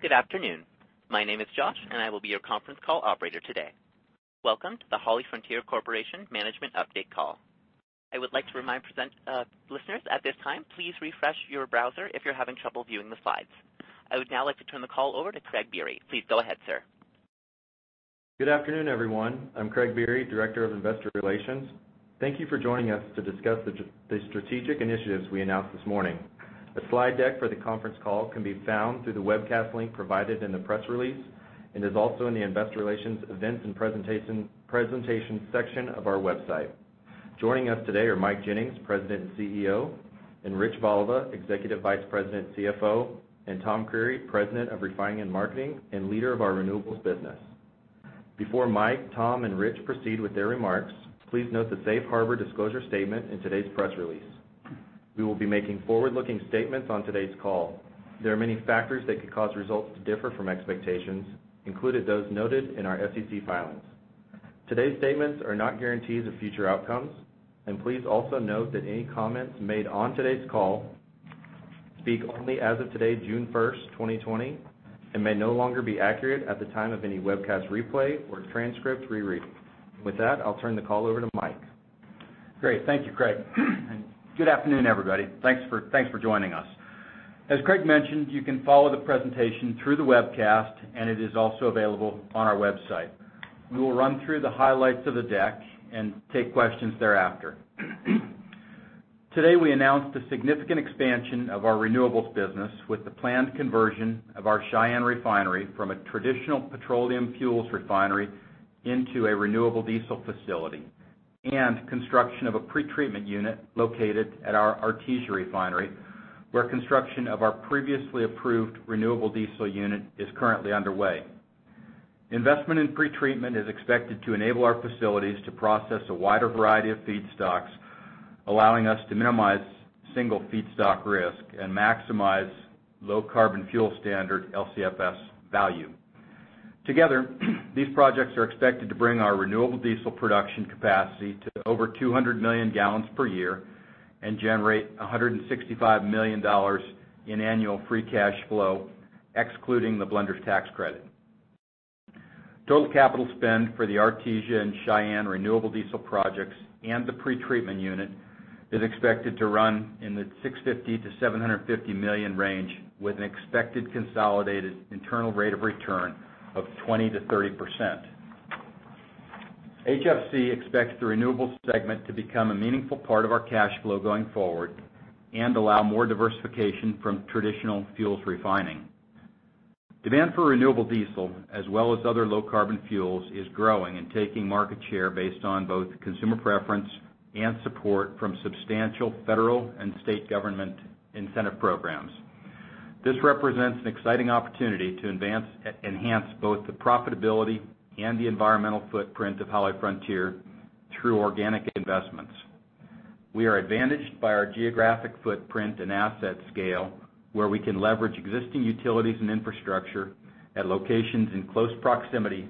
Good afternoon. My name is Josh and I will be your conference call operator today. Welcome to the HollyFrontier Corporation Management Update Call. I would like to remind listeners at this time, please refresh your browser if you're having trouble viewing the slides. I would now like to turn the call over to Craig Biery. Please go ahead, sir. Good afternoon, everyone. I'm Craig Biery, Director of Investor Relations. Thank you for joining us to discuss the strategic initiatives we announced this morning. A slide deck for the conference call can be found through the webcast link provided in the press release and is also in the Investor Relations Events and Presentation section of our website. Joining us today are Mike Jennings, President and CEO, and Rich Voliva, Executive Vice President, CFO, and Tom Creery, President of Refining and Marketing and leader of our renewables business. Before Mike, Tom, and Rich proceed with their remarks, please note the safe harbor disclosure statement in today's press release. We will be making forward-looking statements on today's call. There are many factors that could cause results to differ from expectations, including those noted in our SEC filings. Today's statements are not guarantees of future outcomes. Please also note that any comments made on today's call speak only as of today, June 1st, 2020, and may no longer be accurate at the time of any webcast replay or transcript reread, and with that, I'll turn the call over to Mike. Great. Thank you, Craig, and good afternoon, everybody. Thanks for joining us. As Craig mentioned, you can follow the presentation through the webcast, and it is also available on our website. We will run through the highlights of the deck and take questions thereafter. Today, we announced a significant expansion of our renewables business with the planned conversion of our Cheyenne refinery from a traditional petroleum fuels refinery into a renewable diesel facility and construction of a pretreatment unit located at our Artesia refinery, where construction of our previously approved renewable diesel unit is currently underway. Investment in pretreatment is expected to enable our facilities to process a wider variety of feedstocks, allowing us to minimize single feedstock risk and maximize Low Carbon Fuel Standard, LCFS, value. Together, these projects are expected to bring our renewable diesel production capacity to over 200 million gallons per year and generate $165 million in annual free cash flow, excluding the blenders tax credit. Total capital spend for the Artesia and Cheyenne renewable diesel projects and the pretreatment unit is expected to run in the $650 million to $750 million range with an expected consolidated internal rate of return of 20% to 30%. HFC expects the renewable segment to become a meaningful part of our cash flow going forward and allow more diversification from traditional fuels refining. Demand for renewable diesel, as well as other low carbon fuels, is growing and taking market share based on both consumer preference and support from substantial federal and state government incentive programs. This represents an exciting opportunity to enhance both the profitability and the environmental footprint of HollyFrontier through organic investments. We are advantaged by our geographic footprint and asset scale, where we can leverage existing utilities and infrastructure at locations in close proximity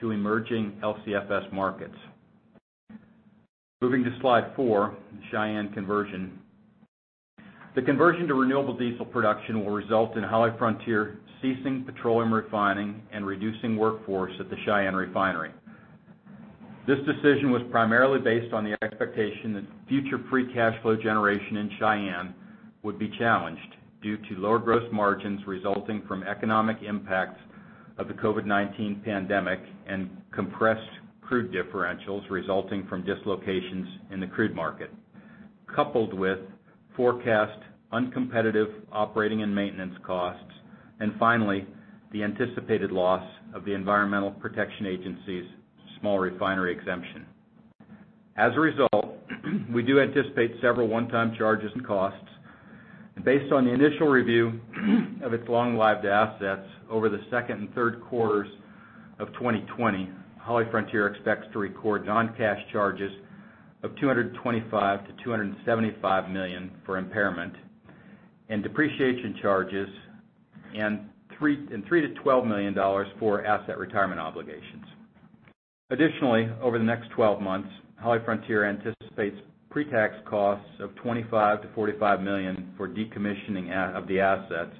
to emerging LCFS markets. Moving to slide four, Cheyenne conversion. The conversion to renewable diesel production will result in HollyFrontier ceasing petroleum refining and reducing workforce at the Cheyenne refinery. This decision was primarily based on the expectation that the future free cash flow generation in Cheyenne would be challenged due to lower gross margins resulting from economic impacts of the COVID-19 pandemic and compressed crude differentials resulting from dislocations in the crude market, coupled with forecast uncompetitive operating and maintenance costs, and finally, the anticipated loss of the Environmental Protection Agency's small refinery exemption. As a result, we do anticipate several one-time charges and costs. Based on the initial review of its long-lived assets over the second and third quarters of 2020, HollyFrontier expects to record non-cash charges of $225 million to $275 million for impairment and depreciation charges and $3 million to $12 million for asset retirement obligations. Additionally, over the next 12 months, HollyFrontier anticipates pre-tax costs of $25 million to $45 million for decommissioning of the assets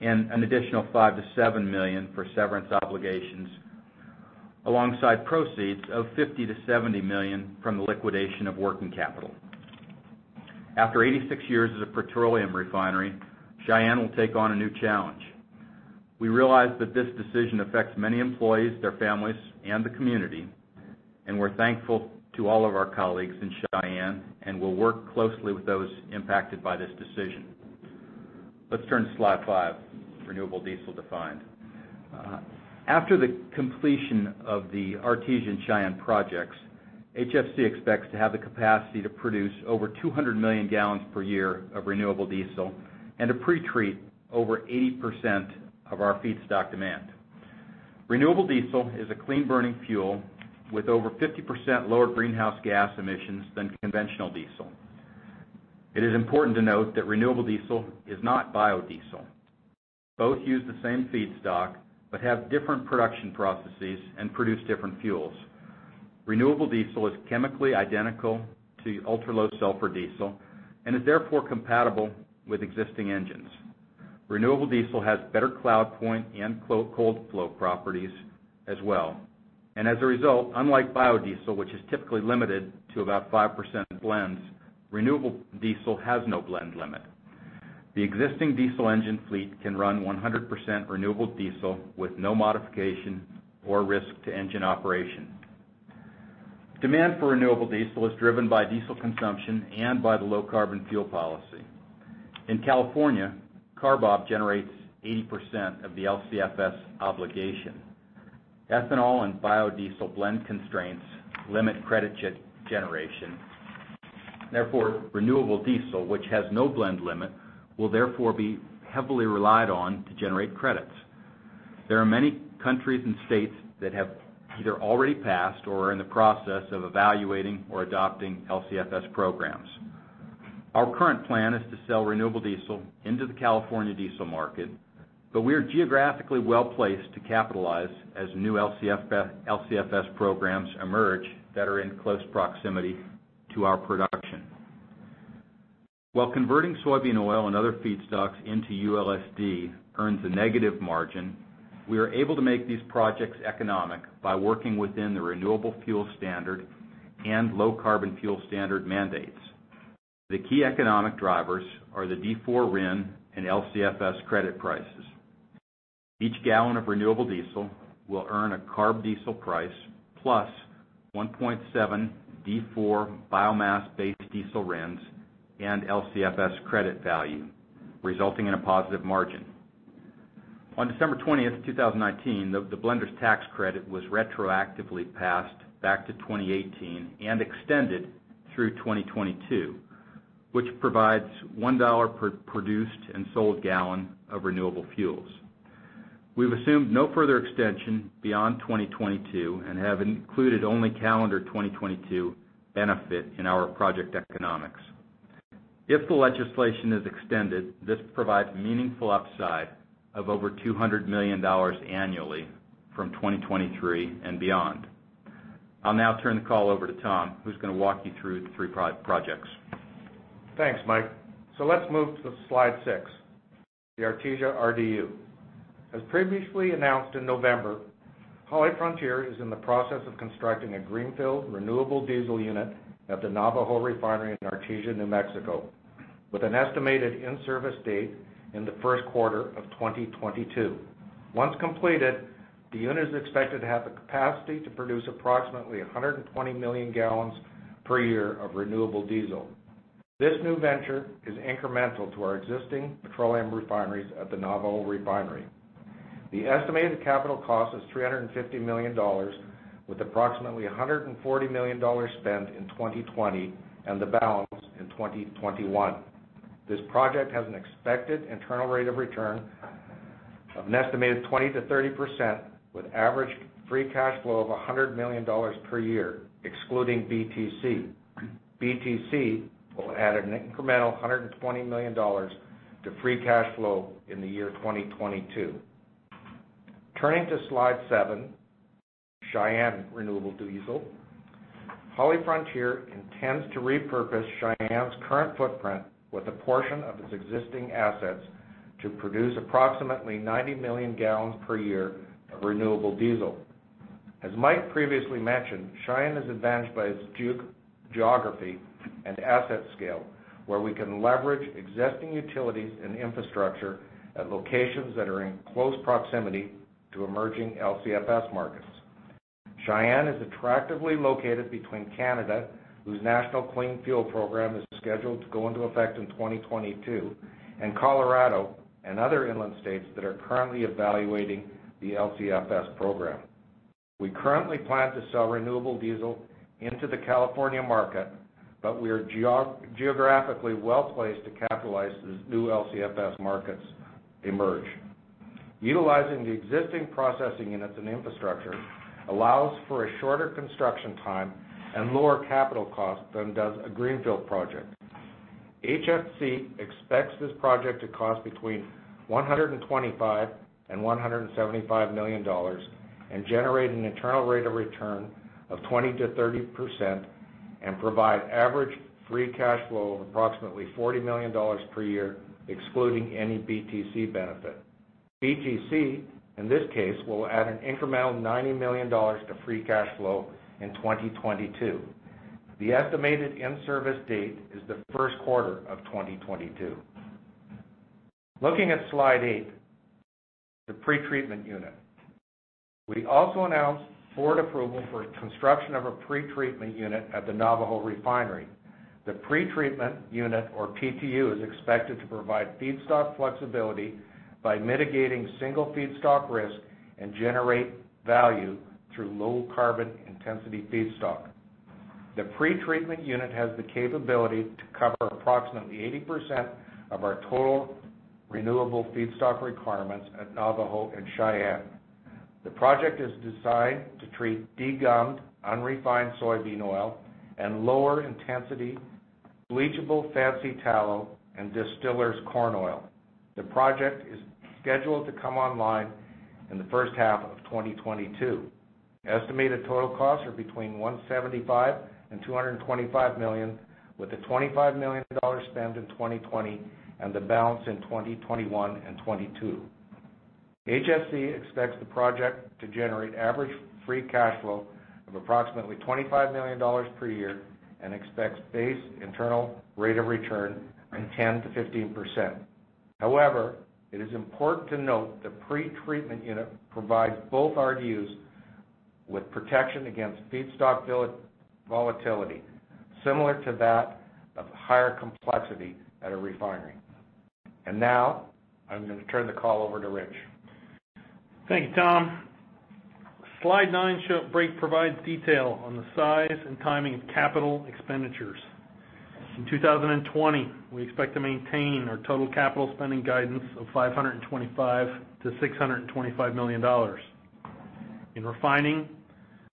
and an additional $5 million to $7 million for severance obligations, alongside proceeds of $50 million to $70 million from the liquidation of working capital. After 86 years as a petroleum refinery, Cheyenne will take on a new challenge. We realize that this decision affects many employees, their families, and the community. We're thankful to all of our colleagues in Cheyenne and will work closely with those impacted by this decision. Let's turn to slide five, renewable diesel defined. After the completion of the Artesia and Cheyenne projects, HFC expects to have the capacity to produce over 200 million gallons per year of renewable diesel and to pre-treat over 80% of our feedstock demand. Renewable diesel is a clean-burning fuel with over 50% lower greenhouse gas emissions than conventional diesel. It is important to note that renewable diesel is not biodiesel. Both use the same feedstock but have different production processes and produce different fuels. Renewable diesel is chemically identical to ultra-low sulfur diesel and is therefore compatible with existing engines. Renewable diesel has better cloud point and cold flow properties as well. As a result, unlike biodiesel, which is typically limited to about 5% in blends, renewable diesel has no blend limit. The existing diesel engine fleet can run 100% renewable diesel with no modification or risk to engine operation. Demand for renewable diesel is driven by diesel consumption and by the Low Carbon Fuel Standard. In California, CARB generates 80% of the LCFS obligation. Ethanol and biodiesel blend constraints limit credit generation. Therefore, renewable diesel, which has no blend limit, will therefore be heavily relied on to generate credits. There are many countries and states that have either already passed or are in the process of evaluating or adopting LCFS programs. Our current plan is to sell renewable diesel into the California diesel market, but we are geographically well-placed to capitalize as new LCFS programs emerge that are in close proximity to our production. While converting soybean oil and other feedstocks into ULSD earns a negative margin, we are able to make these projects economic by working within the Renewable Fuel Standard and Low Carbon Fuel Standard mandates. The key economic drivers are the D4 RIN and LCFS credit prices. Each gallon of renewable diesel will earn a CARB diesel price plus 1.7 D4 biomass-based diesel RINs and LCFS credit value, resulting in a positive margin. On December 20th, 2019, the blenders tax credit was retroactively passed back to 2018 and extended through 2022, which provides $1 per produced and sold gallon of renewable fuels. We have assumed no further extension beyond 2022 and have included only calendar 2022 benefit in our project economics. If the legislation is extended, this provides meaningful upside of over $200 million annually from 2023 and beyond. I'll now turn the call over to Tom, who's going to walk you through the three projects. Thanks, Mike. Let's move to slide six, the Artesia RDU. As previously announced in November, HollyFrontier is in the process of constructing a greenfield renewable diesel unit at the Navajo Refinery in Artesia, New Mexico, with an estimated in-service date in the first quarter of 2022. Once completed, the unit is expected to have the capacity to produce approximately 120 million gallons per year of renewable diesel. This new venture is incremental to our existing petroleum refineries at the Navajo Refinery. The estimated capital cost is $350 million, with approximately $140 million spent in 2020 and the balance in 2021. This project has an expected internal rate of return of an estimated 20% to 30%, with average free cash flow of $100 million per year, excluding BTC. BTC will add an incremental $120 million to free cash flow in the year 2022. Turning to slide seven, Cheyenne Renewable Diesel. HollyFrontier intends to repurpose Cheyenne's current footprint with a portion of its existing assets to produce approximately 90 million gal/yr of renewable diesel. As Mike previously mentioned, Cheyenne is advantaged by its geography and asset scale, where we can leverage existing utilities and infrastructure at locations that are in close proximity to emerging LCFS markets. Cheyenne is attractively located between Canada, whose National Clean Fuel Program is scheduled to go into effect in 2022, and Colorado and other inland states that are currently evaluating the LCFS program. We currently plan to sell renewable diesel into the California market. We are geographically well-placed to capitalize as new LCFS markets emerge. Utilizing the existing processing units and infrastructure allows for a shorter construction time and lower capital cost than does a greenfield project. HFC expects this project to cost between $125 million and $175 million and generate an internal rate of return of 20% to 30% and provide average free cash flow of approximately $40 million per year, excluding any BTC benefit. BTC, in this case, will add an incremental $90 million to free cash flow in 2022. The estimated in-service date is the first quarter of 2022. Looking at slide eight, the pretreatment unit. We also announced board approval for construction of a pretreatment unit at the Navajo Refinery. The pretreatment unit, or PTU, is expected to provide feedstock flexibility by mitigating single feedstock risk and generate value through low carbon intensity feedstock. The pretreatment unit has the capability to cover approximately 80% of our total renewable feedstock requirements at Navajo and Cheyenne. The project is designed to treat de-gummed, unrefined soybean oil and lower intensity bleachable fancy tallow and distillers corn oil. The project is scheduled to come online in the first half of 2022. Estimated total costs are between $175 million and $225 million, with a $25 million spend in 2020 and the balance in 2021 and 2022. HFC expects the project to generate average free cash flow of approximately $25 million per year and expects base internal rate of return in 10% to 15%. However, it is important to note the pretreatment unit provides both RDUs with protection against feedstock volatility, similar to that of higher complexity at a refinery. Now, I'm going to turn the call over to Rich. Thank you, Tom. Slide nine provides detail on the size and timing of capital expenditures. In 2020, we expect to maintain our total capital spending guidance of $525 million to $625 million. In refining,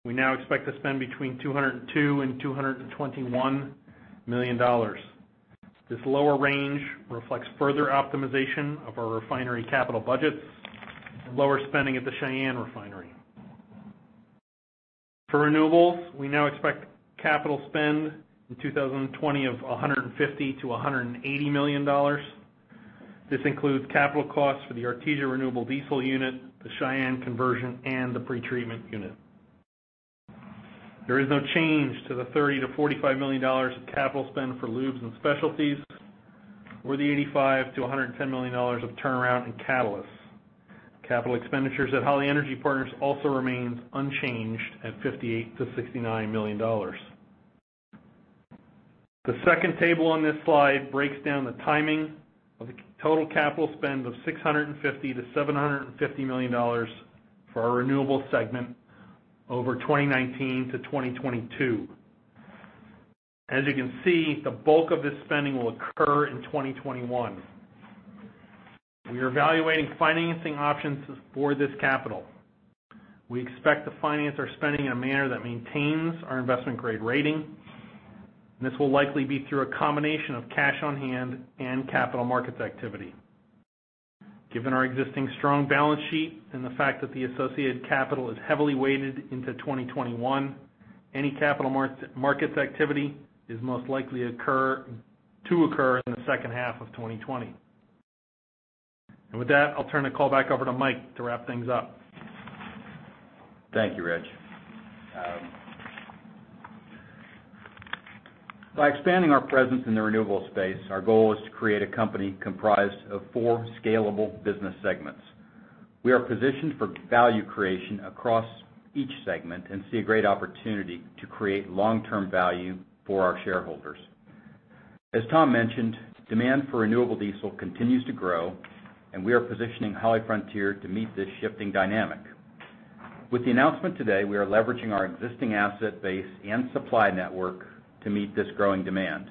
we now expect to spend between $202 million to $221 million. This lower range reflects further optimization of our refinery capital budgets and lower spending at the Cheyenne refinery. For renewables, we now expect capital spend in 2020 of $150 million to $180 million. This includes capital costs for the Artesia Renewable Diesel unit, the Cheyenne conversion, and the pretreatment unit. There is no change to the $30 million to $45 million of capital spend for lubes and specialties or the $85 million to $110 million of turnaround in catalysts. Capital expenditures at Holly Energy Partners also remains unchanged at $58 million to $69 million. The second table on this slide breaks down the timing of the total capital spend of $650 million to $750 million for our renewable segment over 2019 to 2022. As you can see, the bulk of this spending will occur in 2021. We are evaluating financing options for this capital. We expect to finance our spending in a manner that maintains our investment grade rating and this will likely be through a combination of cash on hand and capital markets activity. Given our existing strong balance sheet and the fact that the associated capital is heavily weighted into 2021, any capital markets activity is most likely to occur in the second half of 2020. With that, I'll turn the call back over to Mike to wrap things up. Thank you, Rich. By expanding our presence in the renewable space, our goal is to create a company comprised of four scalable business segments. We are positioned for value creation across each segment and see a great opportunity to create long-term value for our shareholders. As Tom mentioned, demand for renewable diesel continues to grow, and we are positioning HollyFrontier to meet this shifting dynamic. With the announcement today, we are leveraging our existing asset base and supply network to meet this growing demand.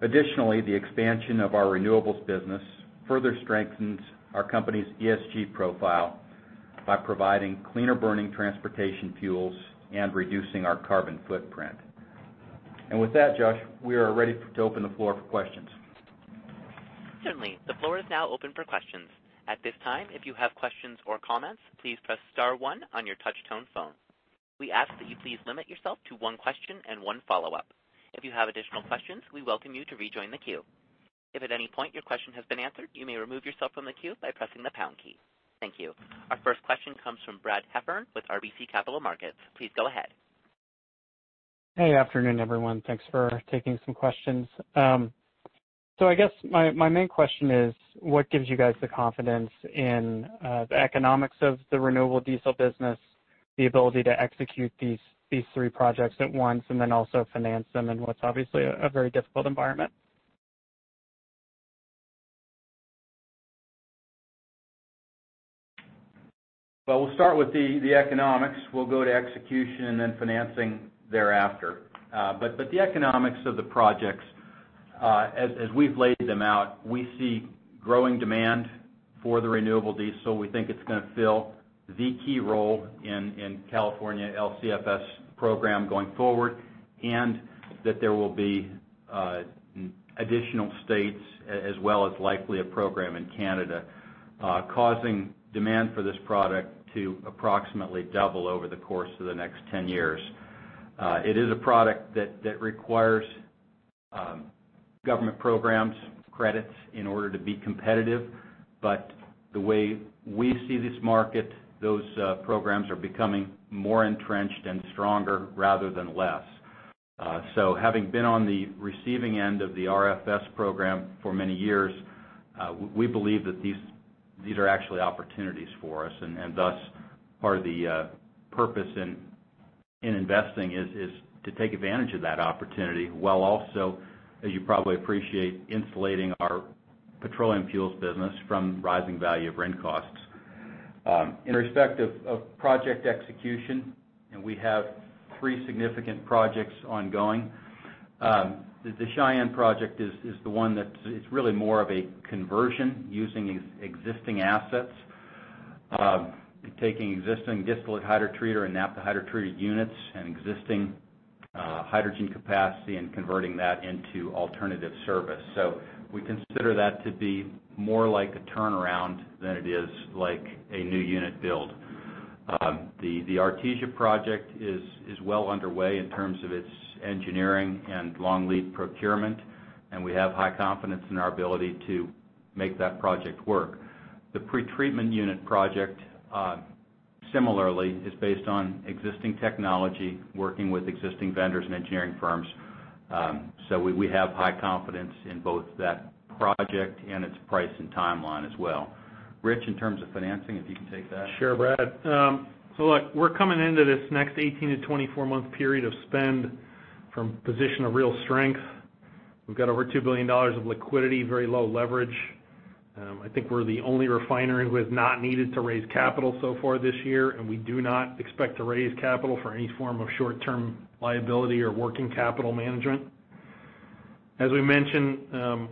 Additionally, the expansion of our renewables business further strengthens our company's ESG profile by providing cleaner burning transportation fuels and reducing our carbon footprint. With that, Josh, we are ready to open the floor for questions. Certainly, the floor is now open for questions. At this time, if you have questions or comments, please press star one on your touch-tone phone. We ask that you please limit yourself to one question and one follow-up. If you have additional questions, we welcome you to rejoin the queue. If at any point your question has been answered, you may remove yourself from the queue by pressing the pound key. Thank you. Our first question comes from Brad Heffern with RBC Capital Markets. Please go ahead. Hey, good afternoon, everyone. Thanks for taking some questions. I guess my main question is, what gives you guys the confidence in the economics of the renewable diesel business, the ability to execute these three projects at once, and then also finance them in what's, obviously, a very difficult environment? Well, we'll start with the economics, we'll go to execution, and then financing thereafter. The economics of the projects, as we've laid them out, we see growing demand for the renewable diesel. We think it's going to fill the key role in California LCFS program going forward, and that there will be additional states, as well as likely a program in Canada, causing demand for this product to approximately double over the course of the next 10 years. It is a product that requires government programs, credits in order to be competitive, but the way we see this market, those programs are becoming more entrenched and stronger rather than less. Having been on the receiving end of the RFS program for many years, we believe that these are actually opportunities for us, and thus, part of the purpose in investing is to take advantage of that opportunity, while also, as you probably appreciate, insulating our petroleum fuels business from rising value of RIN costs. In respect of project execution, and we have three significant projects ongoing. The Cheyenne project is the one that it's really more of a conversion using existing assets Taking existing distillate hydrotreater and naphtha hydrotreater units and existing hydrogen capacity and converting that into alternative service. We consider that to be more like a turnaround than it is like a new unit build. The Artesia project is well underway in terms of its engineering and long lead procurement, and we have high confidence in our ability to make that project work. The pretreatment unit project, similarly, is based on existing technology, working with existing vendors and engineering firms. We have high confidence in both that project and its price and timeline as well. Rich, in terms of financing, if you can take that? Sure, Brad. Look, we're coming into this next 18-month to 24-month period of spend from a position of real strength. We've got over $2 billion of liquidity, very low leverage. I think we're the only refinery who has not needed to raise capital so far this year, and we do not expect to raise capital for any form of short-term liability or working capital management. As we mentioned,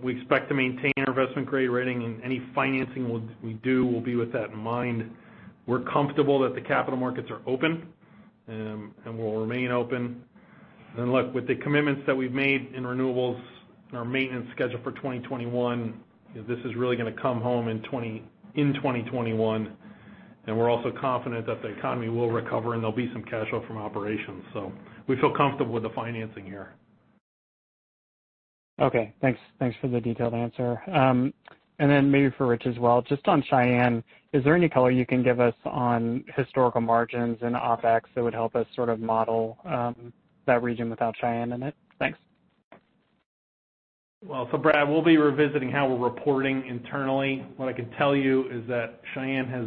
we expect to maintain our investment-grade rating and any financing we do will be with that in mind. We're comfortable that the capital markets are open, and will remain open. Look, with the commitments that we've made in renewables and our maintenance schedule for 2021, this is really going to come home in 2021. We're also confident that the economy will recover and there'll be some cash flow from operations. We feel comfortable with the financing here. Okay, thanks for the detailed answer, and then maybe for Rich as well, just on Cheyenne, is there any color you can give us on historical margins and OpEx that would help us sort of model that region without Cheyenne in it? Thanks. Brad, we'll be revisiting how we're reporting internally. What I can tell you is that Cheyenne has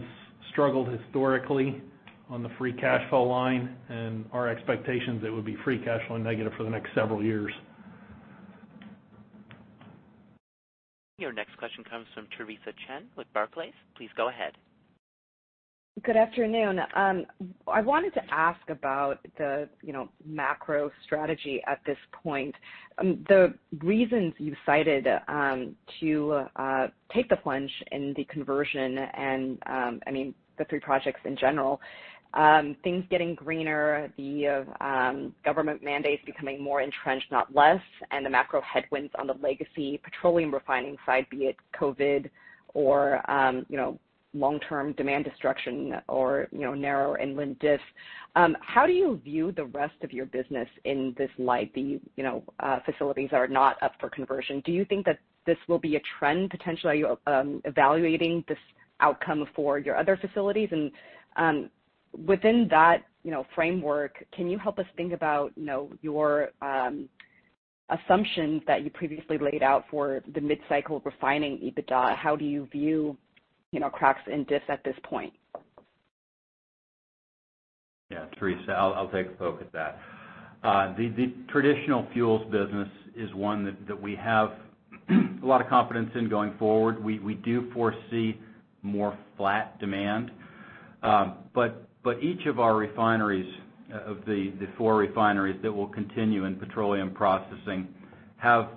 struggled historically on the free cash flow line, and our expectation is it would be free cash flow negative for the next several years. Your next question comes from Theresa Chen with Barclays. Please go ahead. Good afternoon. I wanted to ask about the macro strategy at this point. The reasons you cited to take the plunge in the conversion and, I mean, the three projects in general, things getting greener, the government mandates becoming more entrenched, not less, and the macro headwinds on the legacy petroleum refining side, be it COVID-19 or, you know, long-term demand destruction or narrow inland diff. How do you view the rest of your business in this light? The facilities that are not up for conversion. Do you think that this will be a trend potentially? Are you evaluating this outcome for your other facilities? Within that, you know, framework, can you help us think about your assumptions that you previously laid out for the mid-cycle refining EBITDA? How do you view cracks and diffs at this point? Yeah, Theresa, I'll take a poke at that. The traditional fuels business is one that we have a lot of confidence in going forward. We do foresee more flat demand, but each of our refineries, of the four refineries that will continue in petroleum processing, have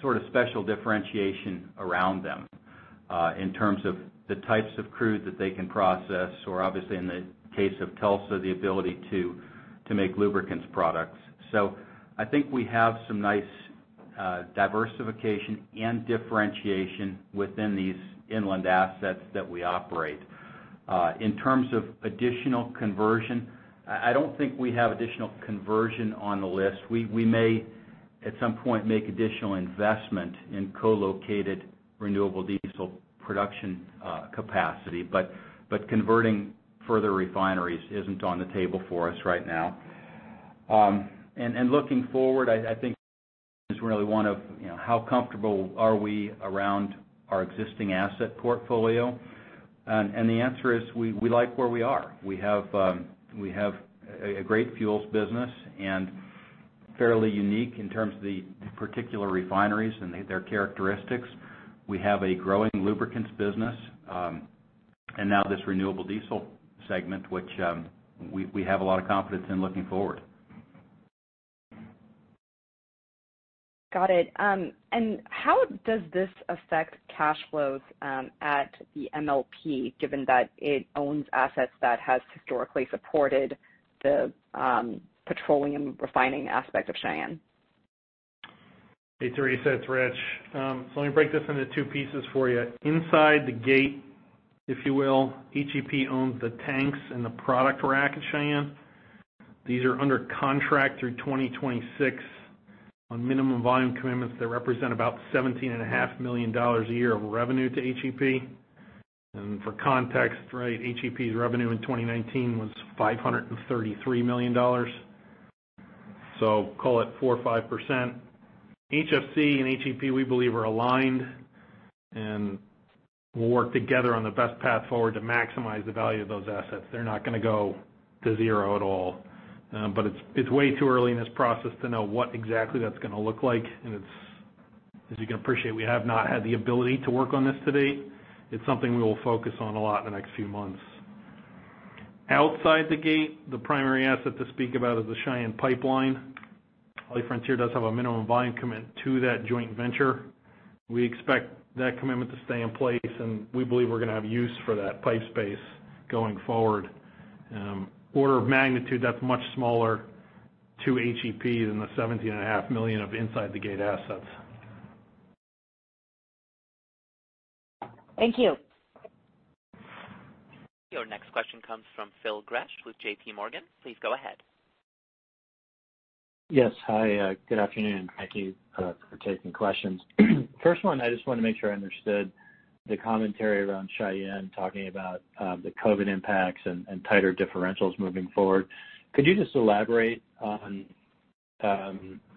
sort of special differentiation around them, in terms of the types of crude that they can process or obviously in the case of Tulsa, the ability to make lubricants products. I think we have some nice diversification and differentiation within these inland assets that we operate. In terms of additional conversion, I don't think we have additional conversion on the list. We may at some point make additional investment in co-located renewable diesel production capacity, but converting further refineries isn't on the table for us right now. Looking forward, I think it's really one of how comfortable are we around our existing asset portfolio. The answer is, we like where we are. We have a great fuels business and fairly unique in terms of the particular refineries and their characteristics. We have a growing lubricants business. Now this renewable diesel segment, which we have a lot of confidence in looking forward. Got it, and how does this affect cash flows at the MLP, given that it owns assets that has historically supported the petroleum refining aspect of Cheyenne? Hey, Theresa, it's Rich. Let me break this into two pieces for you. Inside the gate, if you will, HEP owns the tanks and the product rack at Cheyenne. These are under contract through 2026 on minimum volume commitments that represent about $17.5 million a year of revenue to HEP. For context, HEP's revenue in 2019 was $533 million, so call it 4% or 5%. HFC and HEP, we believe, are aligned, and will work together on the best path forward to maximize the value of those assets. They're not going to go to zero at all. It's way too early in this process to know what exactly that's going to look like. As you can appreciate, we have not had the ability to work on this to date. It's something we will focus on a lot in the next few months. Outside the gate, the primary asset to speak about is the Cheyenne pipeline. HollyFrontier does have a minimum volume commitment to that joint venture. We expect that commitment to stay in place and we believe we're going to have use for that pipe space going forward. Order of magnitude, that's much smaller to HEP than the 17.5 million of inside the gate assets. Thank you. Your next question comes from Phil Gresh with J.P. Morgan. Please go ahead. Yes. Hi, good afternoon. Thank you for taking questions. First one, I just want to make sure I understood the commentary around Cheyenne, talking about the COVID impacts and tighter differentials moving forward. Could you just elaborate on,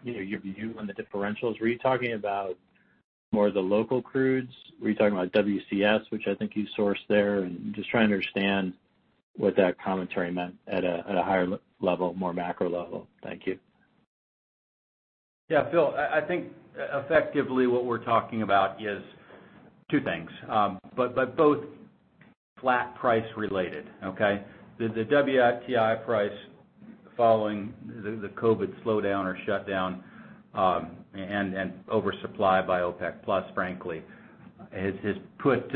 you know, your view on the differentials? Were you talking about more of the local crudes? Were you talking about WCS, which I think you source there, and just trying to understand what that commentary meant at a higher level, more macro level? Thank you. Yeah, Phil, I think effectively what we're talking about is two things. Both flat price related, okay? The WTI price following the COVID slowdown or shutdown, and oversupply by OPEC+, frankly, has put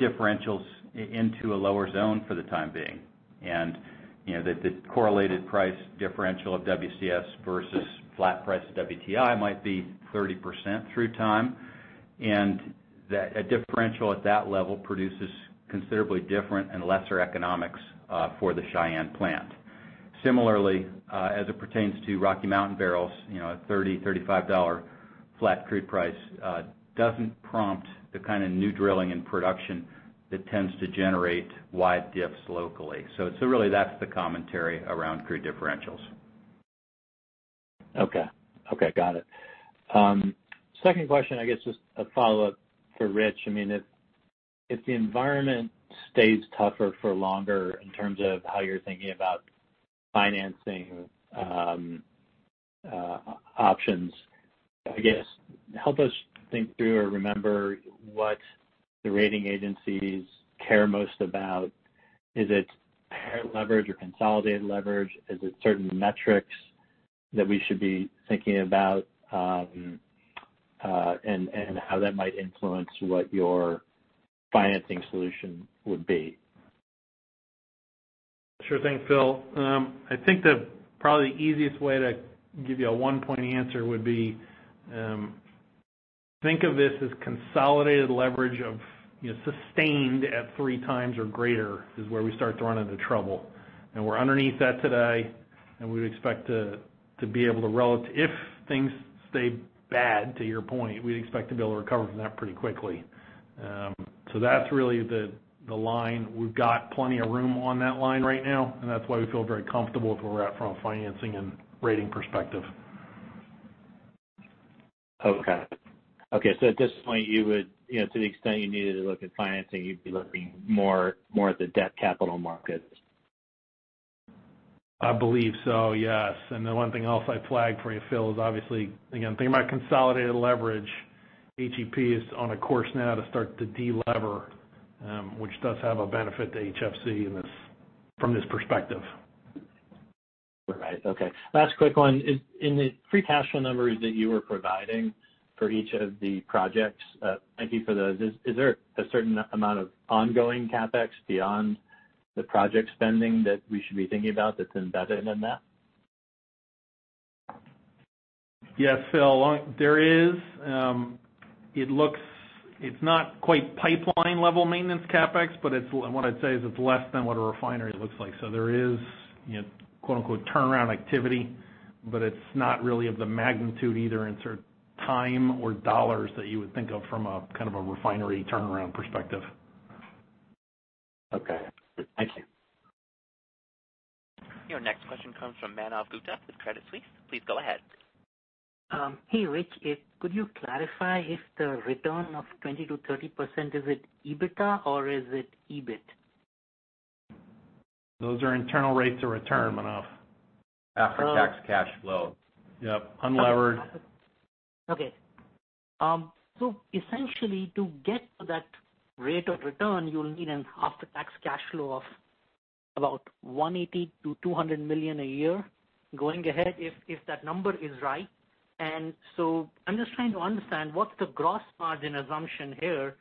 differentials into a lower zone for the time being. The correlated price differential of WCS versus flat price WTI might be 30% through time, and a differential at that level produces considerably different and lesser economics for the Cheyenne plant. Similarly, as it pertains to Rocky Mountain barrels, you know, at $30, $35 flat crude price doesn't prompt the kind of new drilling and production that tends to generate wide diffs locally, so really that's the commentary around crude differentials. Okay. Okay, got it. Second question, I guess just a follow-up for Rich. If the environment stays tougher for longer in terms of how you're thinking about financing options, I guess help us think through or remember what the rating agencies care most about. Is it paired leverage or consolidated leverage? Is it certain metrics that we should be thinking about? How that might influence what your financing solution would be. Sure thing, Phil. I think that probably the easiest way to give you a one-point answer would be, think of this as consolidated leverage of, you know, sustained at 3x or greater is where we start to run into trouble. We're underneath that today, and we would expect to be able to, if things stay bad, to your point, we'd expect to be able to recover from that pretty quickly, so that's really the line. We've got plenty of room on that line right now, that's why we feel very comfortable with where we're at from a financing and rating perspective. Okay. Okay, at this point, to the extent you needed to look at financing, you'd be looking more at the debt capital markets? I believe so, yes. The one thing else I flag for you, Phil, is obviously, again, thinking about consolidated leverage, HEP is on a course now to start to de-lever, which does have a benefit to HFC from this perspective. Right. Okay. Last quick one, in the free cash flow numbers that you were providing for each of the projects, thank you for those, is there a certain amount of ongoing CapEx beyond the project spending that we should be thinking about that's embedded in that? Yes, Phil, there is. It's not quite pipeline-level maintenance CapEx, but what I'd say is it's less than what a refinery looks like. There is, you know, "turnaround activity," but it's not really of the magnitude either in sort of time or dollars that you would think of from a kind of a refinery turnaround perspective. Okay. Thank you. Your next question comes from Manav Gupta with Credit Suisse. Please go ahead. Hey, Rich. Could you clarify if the return of 20% to 30%, is it EBITDA or is it EBIT? Those are internal rates of return, Manav. After-tax cash flow. Yep, unlevered. Okay. Essentially to get that rate of return, you'll need an after-tax cash flow of about $180 million to $200 million a year going ahead, if that number is right. I'm just trying to understand what's the gross margin assumption here,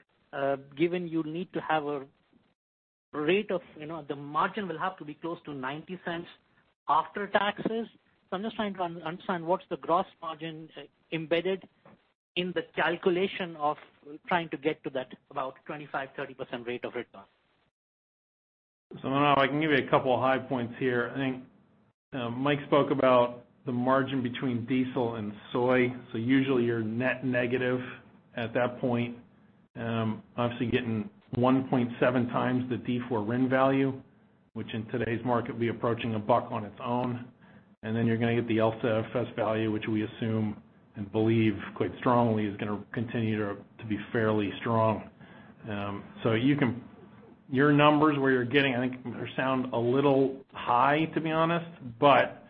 given you need to have the margin will have to be close to $0.90 after taxes. I'm just trying to understand what's the gross margin embedded in the calculation of trying to get to that about 25% to 30% rate of return. Manav, I can give you a couple of high points here. I think Mike spoke about the margin between diesel and soy. Usually you're net negative at that point. Obviously getting 1.7x the D4 RIN value, which in today's market will be approaching $1 on its own. Then you're going to get the LCFS value, which we assume and believe quite strongly is going to continue to be fairly strong. Your numbers, what you're getting, I think they sound a little high, to be honest, but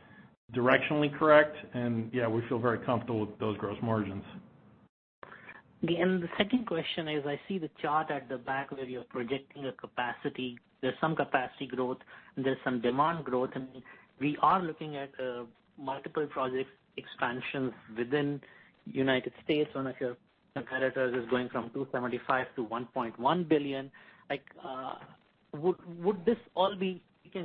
directionally correct, and yeah, we feel very comfortable with those gross margins. The second question is, I see the chart at the back where you're projecting a capacity. There's some capacity growth, there's some demand growth, and we are looking at multiple project expansions within the United States. One of your competitors is going from $275 million to $1.1 billion.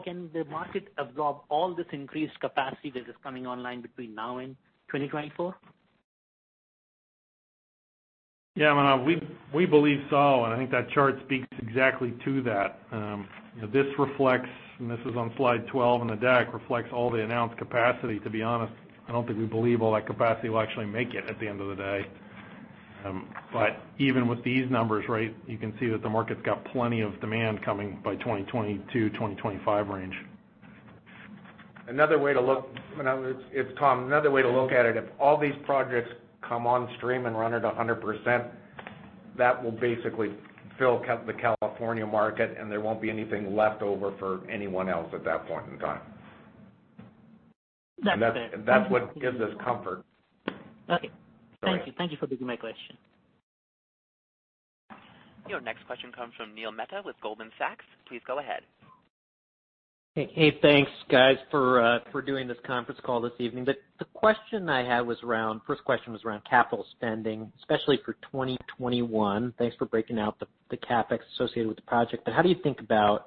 Can the market absorb all this increased capacity that is coming online between now and 2024? Yeah, Manav, we believe so, and I think that chart speaks exactly to that. This reflects, and this is on slide 12 in the deck, reflects all the announced capacity. To be honest, I don't think we believe all that capacity will actually make it at the end of the day, but even with these numbers, right, you can see that the market's got plenty of demand coming by 2022 to 2025 range. Manav, it's Tom. Another way to look at it, if all these projects come on stream and run at 100%, that will basically fill the California market, and there won't be anything left over for anyone else at that point in time. That's fair. That's what gives us comfort. Okay. Sorry. Thank you. Thank you for taking my question. Your next question comes from Neil Mehta with Goldman Sachs. Please go ahead. Hey, thanks, guys, for doing this conference call this evening. The first question was around capital spending, especially for 2021. Thanks for breaking out the CapEx associated with the project. How do you think about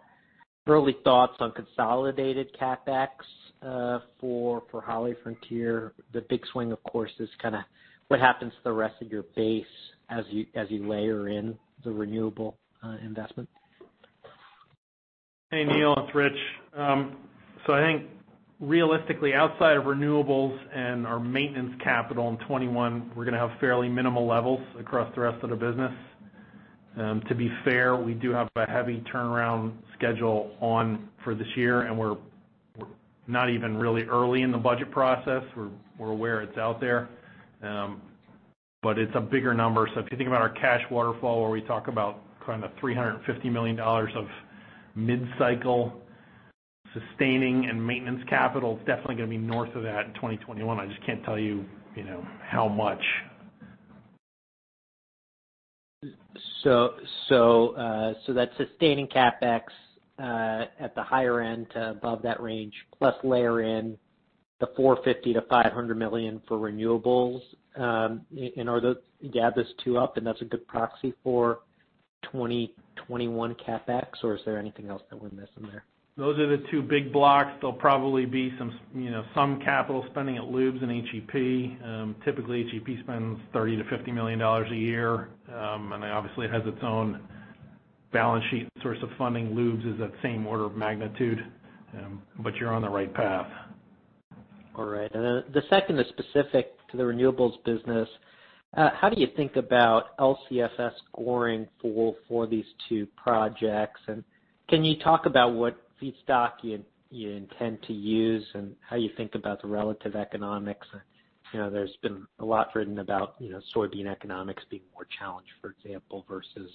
early thoughts on consolidated CapEx for HollyFrontier? The big swing, of course, is kind of what happens to the rest of your base as you layer in the renewable investment. Hey, Neil, it's Rich. I think realistically, outside of renewables and our maintenance capital in 2021, we're going to have fairly minimal levels across the rest of the business. To be fair, we do have a heavy turnaround schedule on for this year, and we're not even really early in the budget process. We're aware it's out there. It's a bigger number. If you think about our cash waterfall, where we talk about kind of $350 million of mid-cycle sustaining and maintenance capital, it's definitely going to be north of that in 2021. I just can't tell you, you know, how much. That sustaining CapEx, at the higher end to above that range, plus layer in the $450 million to $500 million for renewables, you know, you add those two up, and that's a good proxy for 2021 CapEx, or is there anything else that we're missing there? Those are the two big blocks. There'll probably be some capital spending at lubes and HEP. Typically, HEP spends $30 million to $50 million a year. Obviously, it has its own balance sheet source of funding. Lubes is that same order of magnitude but you're on the right path. All right. Then the second is specific to the renewables business. How do you think about LCFS scoring for these two projects, and can you talk about what feedstock you intend to use and how you think about the relative economics? There's been a lot written about, you know, soybean economics being more challenged, for example, versus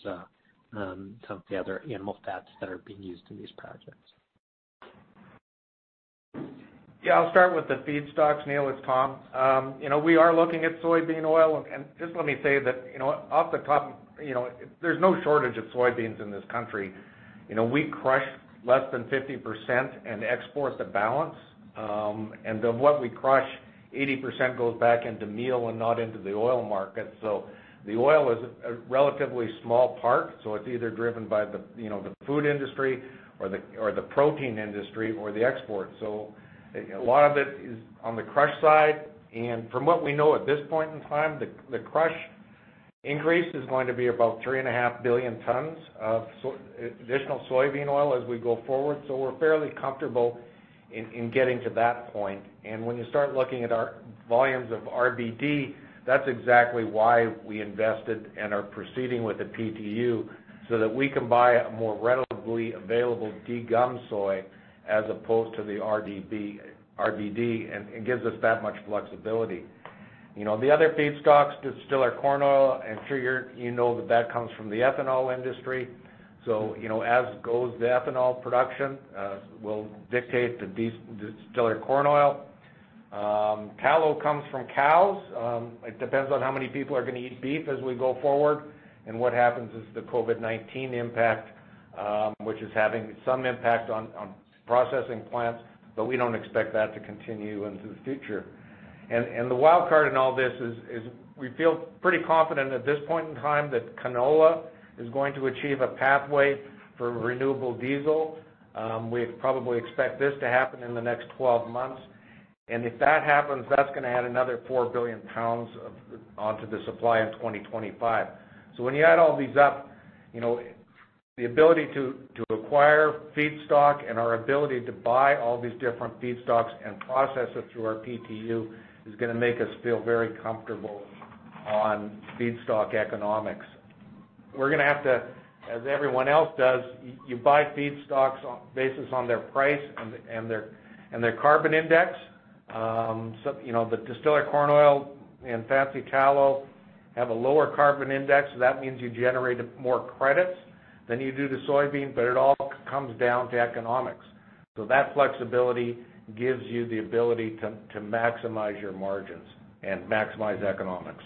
some of the other animal fats that are being used in these projects. Yeah, I'll start with the feedstocks. Neil, it's Tom. We are looking at soybean oil, and just let me say that, off the top, there's no shortage of soybeans in this country. We crush less than 50% and export the balance and of what we crush, 80% goes back into meal and not into the oil market. The oil is a relatively small part, so it's either driven by the food industry or the protein industry or the export. A lot of it is on the crush side, and from what we know at this point in time, the crush increase is going to be about 3.5 billion tons of additional soybean oil as we go forward. We're fairly comfortable in getting to that point. When you start looking at our volumes of RBD, that's exactly why we invested and are proceeding with the PTU so that we can buy a more relatively available degum soy as opposed to the RBD, and gives us that much flexibility. The other feedstocks, distiller corn oil, I'm sure you know that that comes from the ethanol industry so, you know, as it goes the ethanol production will dictate the distiller corn oil. Tallow comes from cows. It depends on how many people are going to eat beef as we go forward and what happens is the COVID-19 impact, which is having some impact on processing plants, but we don't expect that to continue into the future. The wild card in all this is we feel pretty confident at this point in time that canola is going to achieve a pathway for renewable diesel. We expect this to happen in the next 12 months. If that happens, that's going to add another 4 billion pounds onto the supply in 2025. When you add all these up, the ability to acquire feedstock and our ability to buy all these different feedstocks and process it through our PTU is going to make us feel very comfortable on feedstock economics. We're going to have to, as everyone else does, you buy feedstocks on basis on their price and their carbon index. The distiller corn oil and fancy tallow have a lower carbon index, so that means you generate more credits than you do the soybean, but it all comes down to economics. That flexibility gives you the ability to maximize your margins and maximize economics.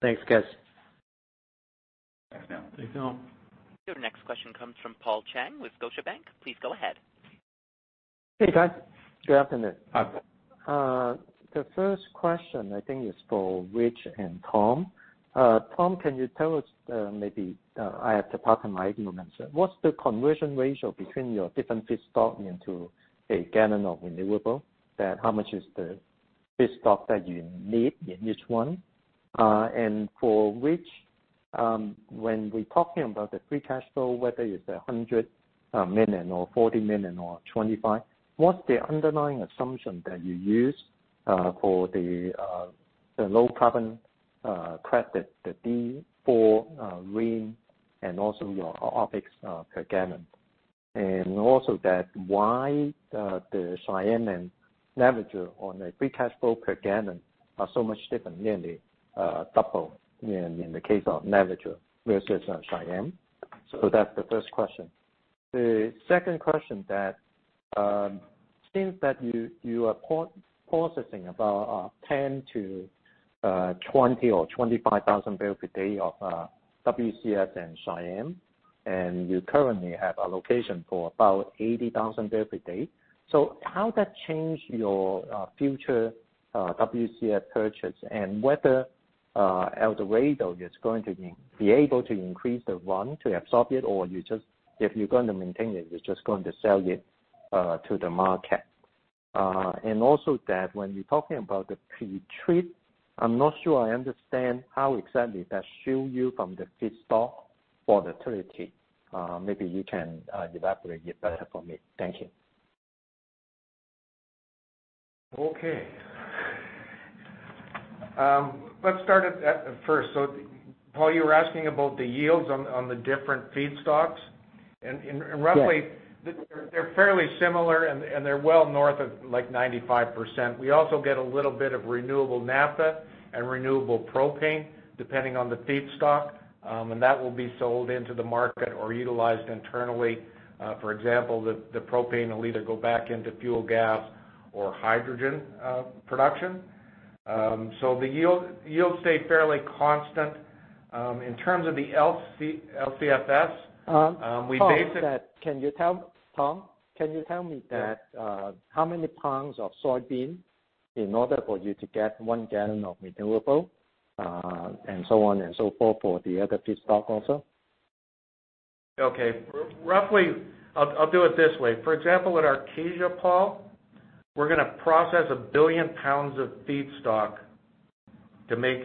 Thanks, guys. Thanks, Neil. Thanks, Neil. Your next question comes from Paul Cheng with Scotiabank. Please go ahead. Hey, guys. Good afternoon. Hi. The first question, I think is for Rich and Tom. Tom, can you tell us, maybe I have to pardon my ignorance, what's the conversion ratio between your different feedstock into a gallon of renewable? How much is the feedstock that you need in each one? For Rich, when we're talking about the free cash flow, whether it's $100 million or $40 million or $25 million, what's the underlying assumption that you use for the low carbon credit, the D4 RIN and also your OpEx per gallon? Also that why the Cheyenne and Navajo on a free cash flow per gallon are so much different, nearly double in the case of Navajo versus Cheyenne. So that's the first question. The second question, since you are processing about 10,000 to 20,000 or 25,000 barrel per day of WCS and Cheyenne, you currently have a location for about 80,000 barrel per day, how that change your future WCS purchase and whether El Dorado is going to be able to increase the run to absorb it, or if you're going to maintain it, you're just going to sell it to the market? Also, when you're talking about the pre-treat, I'm not sure I understand how exactly that shield you from the feedstock for the pre-treat. Maybe you can elaborate it better for me. Thank you. Okay. Let's start at first. Paul, you were asking about the yields on the different feedstocks? Yes. Roughly, they're fairly similar, and they're well north of like 95%. We also get a little bit of renewable naphtha and renewable propane depending on the feedstock. That will be sold into the market or utilized internally. For example, the propane will either go back into fuel gas or hydrogen production, so the yields stay fairly constant. In terms of the LCFS. Tom, can you tell me how many pounds of soybean in order for you to get one gallon of renewable, and so on and so forth for the other feedstock also? Okay, roughly, I'll do it this way. For example, at Artesia, Paul, we're going to process 1 billion pounds of feedstock to make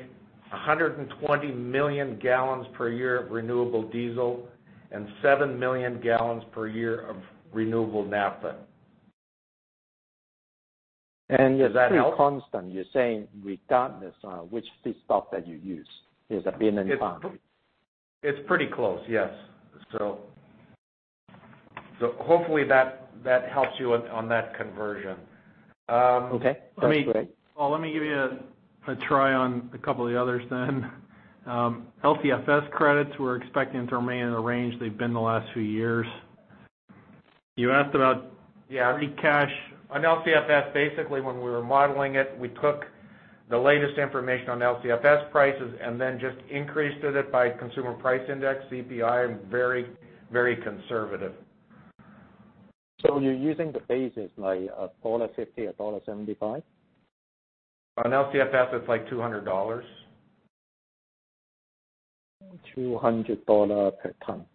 120 million gal/yr of renewable diesel and 7 million gal/yr of renewable naphtha. Does that help? It's pretty constant, you're saying regardless on which feedstock that you use is 1 billion pounds. It's pretty close, yes, so hopefully that helps you on that conversion. Okay, that's great. Paul, let me give you a try on a couple of the others then. LCFS credits, we're expecting to remain in the range they've been the last few years. You asked about free cash, on LCFS, basically when we were modeling it, we took the latest information on LCFS prices and then just increased it by consumer price index, CPI, and very, very conservative. You're using the base as like $1.50, $1.75? On LCFS, it's like $200. $200 per ton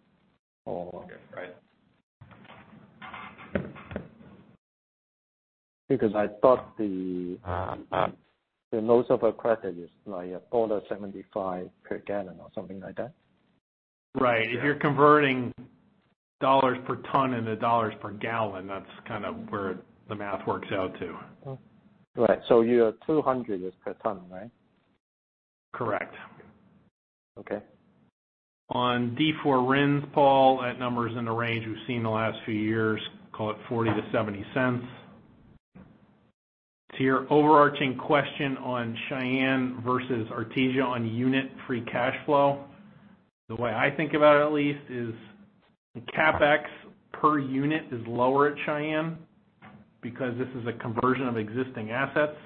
or? Yes, right. Because I thought the lowest of our credit is like $1.75 per gallon or something like that. Right. If you're converting dollars per ton into dollars per gallon, that's kind of where the math works out to. Okay, right, your 200 is per ton, right? Correct. Okay. On D4 RINs, Paul, that number's in the range we've seen the last few years, call it $0.40 to $0.70. To your overarching question on Cheyenne versus Artesia on unit free cash flow, the way I think about it at least, is the CapEx per unit is lower at Cheyenne because this is a conversion of existing assets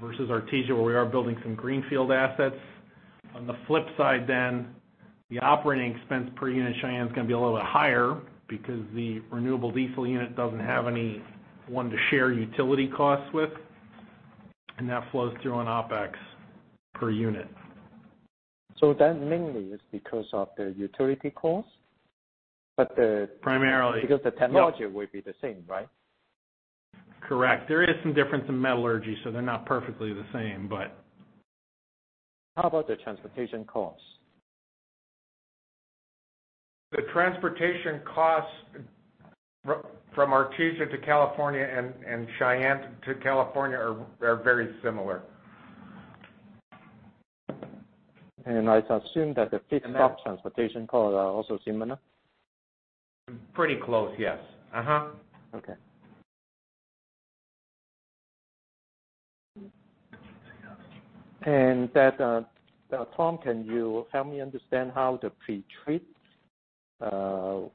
versus Artesia, where we are building some greenfield assets. On the flip side, the operating expense per unit at Cheyenne is going to be a little bit higher because the renewable diesel unit doesn't have anyone to share utility costs with, and that flows through on OpEx per unit. That's mainly it's because of the utility cost? Primarily, The technology will be the same, right? Correct, there is some difference in metallurgy, so they're not perfectly the same. How about the transportation cost? The transportation costs from Artesia to California and Cheyenne to California are very similar. I assume that the feedstock transportation costs are also similar? Pretty close, yes. Okay. Tom, can you help me understand how the pretreat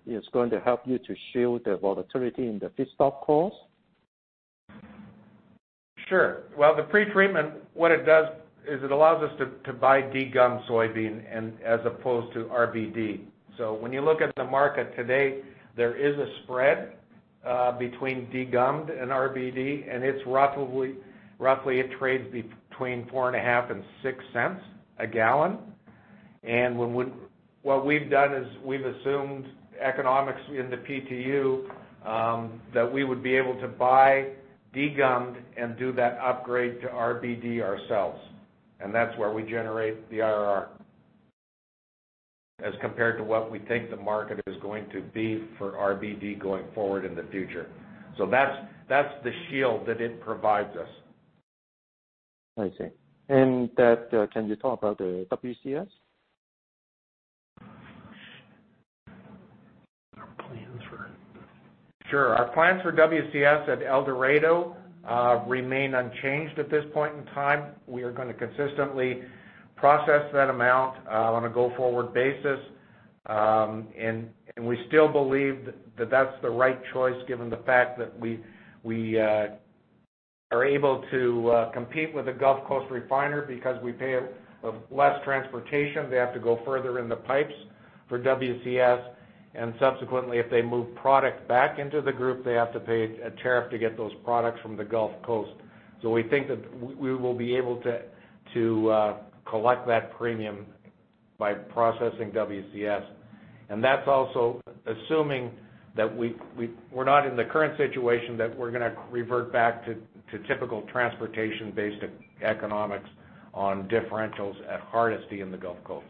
is going to help you to shield the volatility in the feedstock costs? Sure. Well, the pretreatment, what it does is it allows us to buy de-gummed soybean as opposed to RBD. When you look at the market today, there is a spread between de-gummed and RBD, and roughly, it trades between $0.045 and $0.06 a gallon. What we've done is we've assumed economics in the PTU, that we would be able to buy de-gummed and do that upgrade to RBD ourselves. That's where we generate the IRR, as compared to what we think the market is going to be for RBD going forward in the future. That's the shield that it provides us. I see. Can you talk about the WCS? Sure. Our plans for WCS at El Dorado remain unchanged at this point in time. We are going to consistently process that amount on a go-forward basis. We still believe that that's the right choice given the fact that we are able to compete with the Gulf Coast refiner because we pay less transportation. They have to go further in the pipes for WCS, and subsequently, if they move product back into the group, they have to pay a tariff to get those products from the Gulf Coast. We think that we will be able to collect that premium by processing WCS, and that's also assuming that we're not in the current situation, that we're going to revert back to typical transportation-based economics on differentials at Hardisty in the Gulf Coast.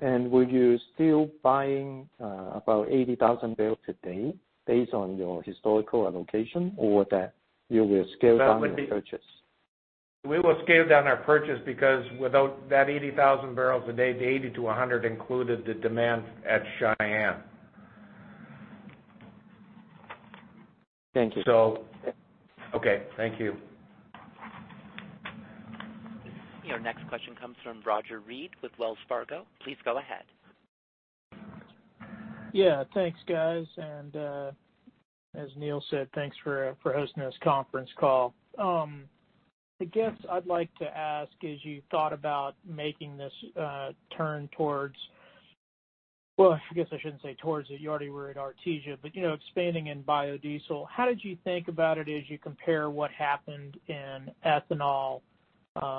Will you still buying about 80,000 barrels a day based on your historical allocation, or that you will scale down your purchase? We will scale down our purchase because without that 80,000 barrels a day, the 80 to 100 included the demand at Cheyenne. Thank you. Okay. Thank you. Your next question comes from Roger Read with Wells Fargo. Please go ahead. Yeah. Thanks, guys. As Neil said, thanks for hosting this conference call. I guess I'd like to ask, as you thought about making this turn towards Well, I guess I shouldn't say towards it. You already were at Artesia but, you know, expanding in biodiesel. How did you think about it as you compare what happened in ethanol,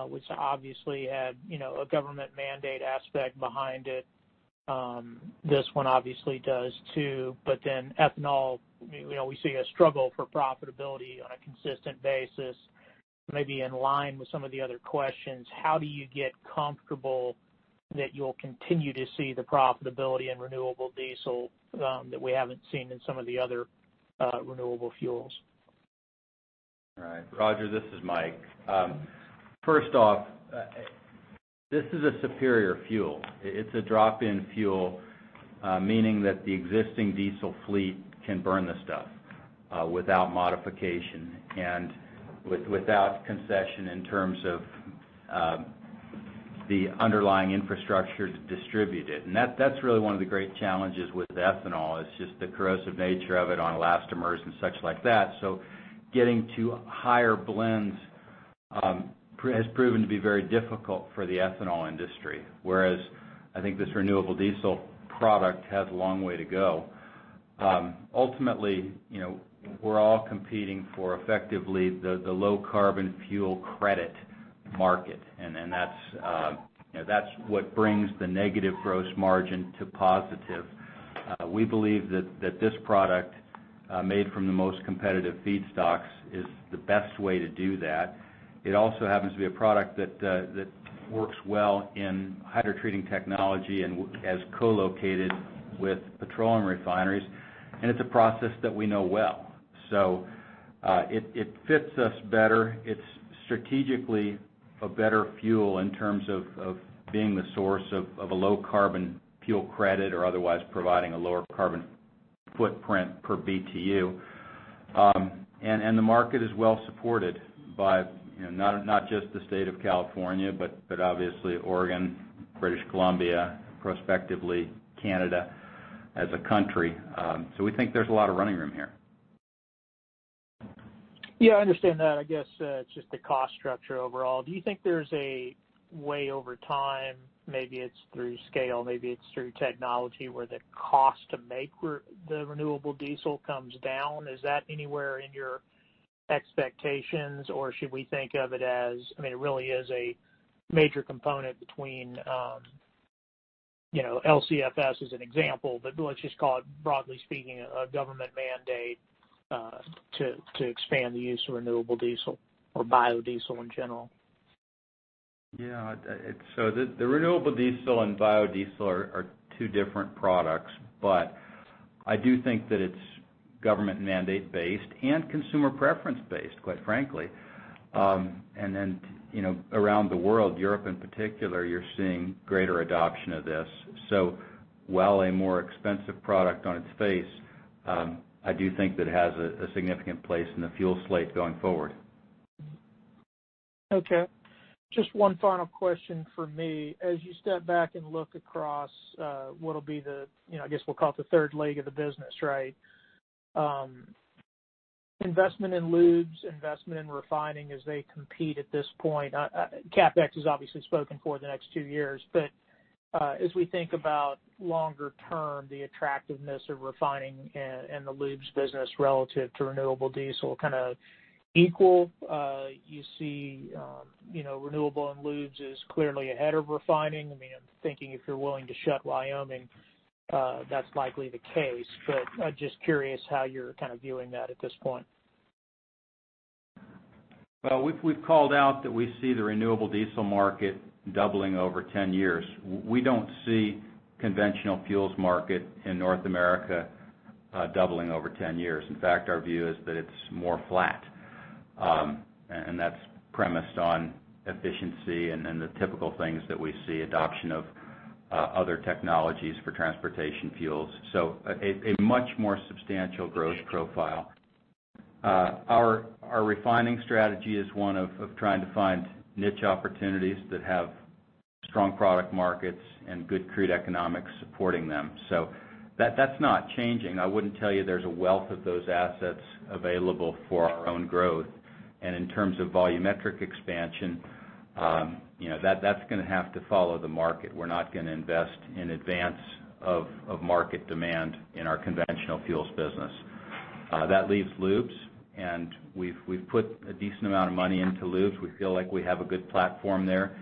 which obviously had a government mandate aspect behind it? This one obviously does, too. Ethanol, we always see a struggle for profitability on a consistent basis. Maybe in line with some of the other questions, how do you get comfortable that you'll continue to see the profitability in renewable diesel, that we haven't seen in some of the other renewable fuels? All right, Roger, this is Mike. First off, this is a superior fuel. It's a drop-in fuel, meaning that the existing diesel fleet can burn the stuff without modification and without concession in terms of the underlying infrastructure to distribute it. That's really one of the great challenges with ethanol, is just the corrosive nature of it on elastomers and such like that. Getting to higher blends has proven to be very difficult for the ethanol industry, whereas, I think this renewable diesel product has a long way to go. Ultimately, you know, we're all competing for effectively the low carbon fuel credit market, that's what brings the negative gross margin to positive. We believe that this product, made from the most competitive feedstocks, is the best way to do that. It also happens to be a product that works well in hydrotreating technology and as co-located with petroleum refineries. It's a process that we know well. It fits us better. It's strategically a better fuel in terms of being the source of a low carbon fuel credit or otherwise providing a lower carbon footprint per BTU. The market is well supported by not just the State of California, but obviously Oregon, British Columbia, prospectively Canada as a country. We think there's a lot of running room here. Yeah, I understand that. I guess, it's just the cost structure overall. Do you think there's a way over time, maybe it's through scale, maybe it's through technology, where the cost to make the renewable diesel comes down? Is that anywhere in your expectations, or should we think of it as, it really is a major component between, you know, LCFS as an example, but let's just call it, broadly speaking, a government mandate, to expand the use of renewable diesel or biodiesel in general? Yeah. The renewable diesel and biodiesel are two different products, but I do think that it's government mandate based and consumer preference based, quite frankly. Around the world, Europe in particular, you're seeing greater adoption of this. While a more expensive product on its face. I do think that it has a significant place in the fuel slate going forward. Okay, just one final question from me. As you step back and look across what will be the, I guess we'll call it the third leg of the business, right? Investment in lubes, investment in refining as they compete at this point. CapEx is obviously spoken for the next two years. As we think about longer term, the attractiveness of refining and the lubes business relative to renewable diesel kind of equal. You see renewable and lubes is clearly ahead of refining. I'm thinking if you're willing to shut Wyoming, that's likely the case, but I'm just curious how you're viewing that at this point. Well, we've called out that we see the renewable diesel market doubling over 10 years. We don't see conventional fuels market in North America doubling over 10 years. In fact, our view is that it's more flat, and that's premised on efficiency and the typical things that we see, adoption of other technologies for transportation fuels, so a much more substantial growth profile. Our refining strategy is one of trying to find niche opportunities that have strong product markets and good crude economics supporting them, so that's not changing. I wouldn't tell you there's a wealth of those assets available for our own growth. In terms of volumetric expansion, that's going to have to follow the market. We're not going to invest in advance of market demand in our conventional fuels business. That leaves lubes and we've put a decent amount of money into lubes. We feel like we have a good platform there.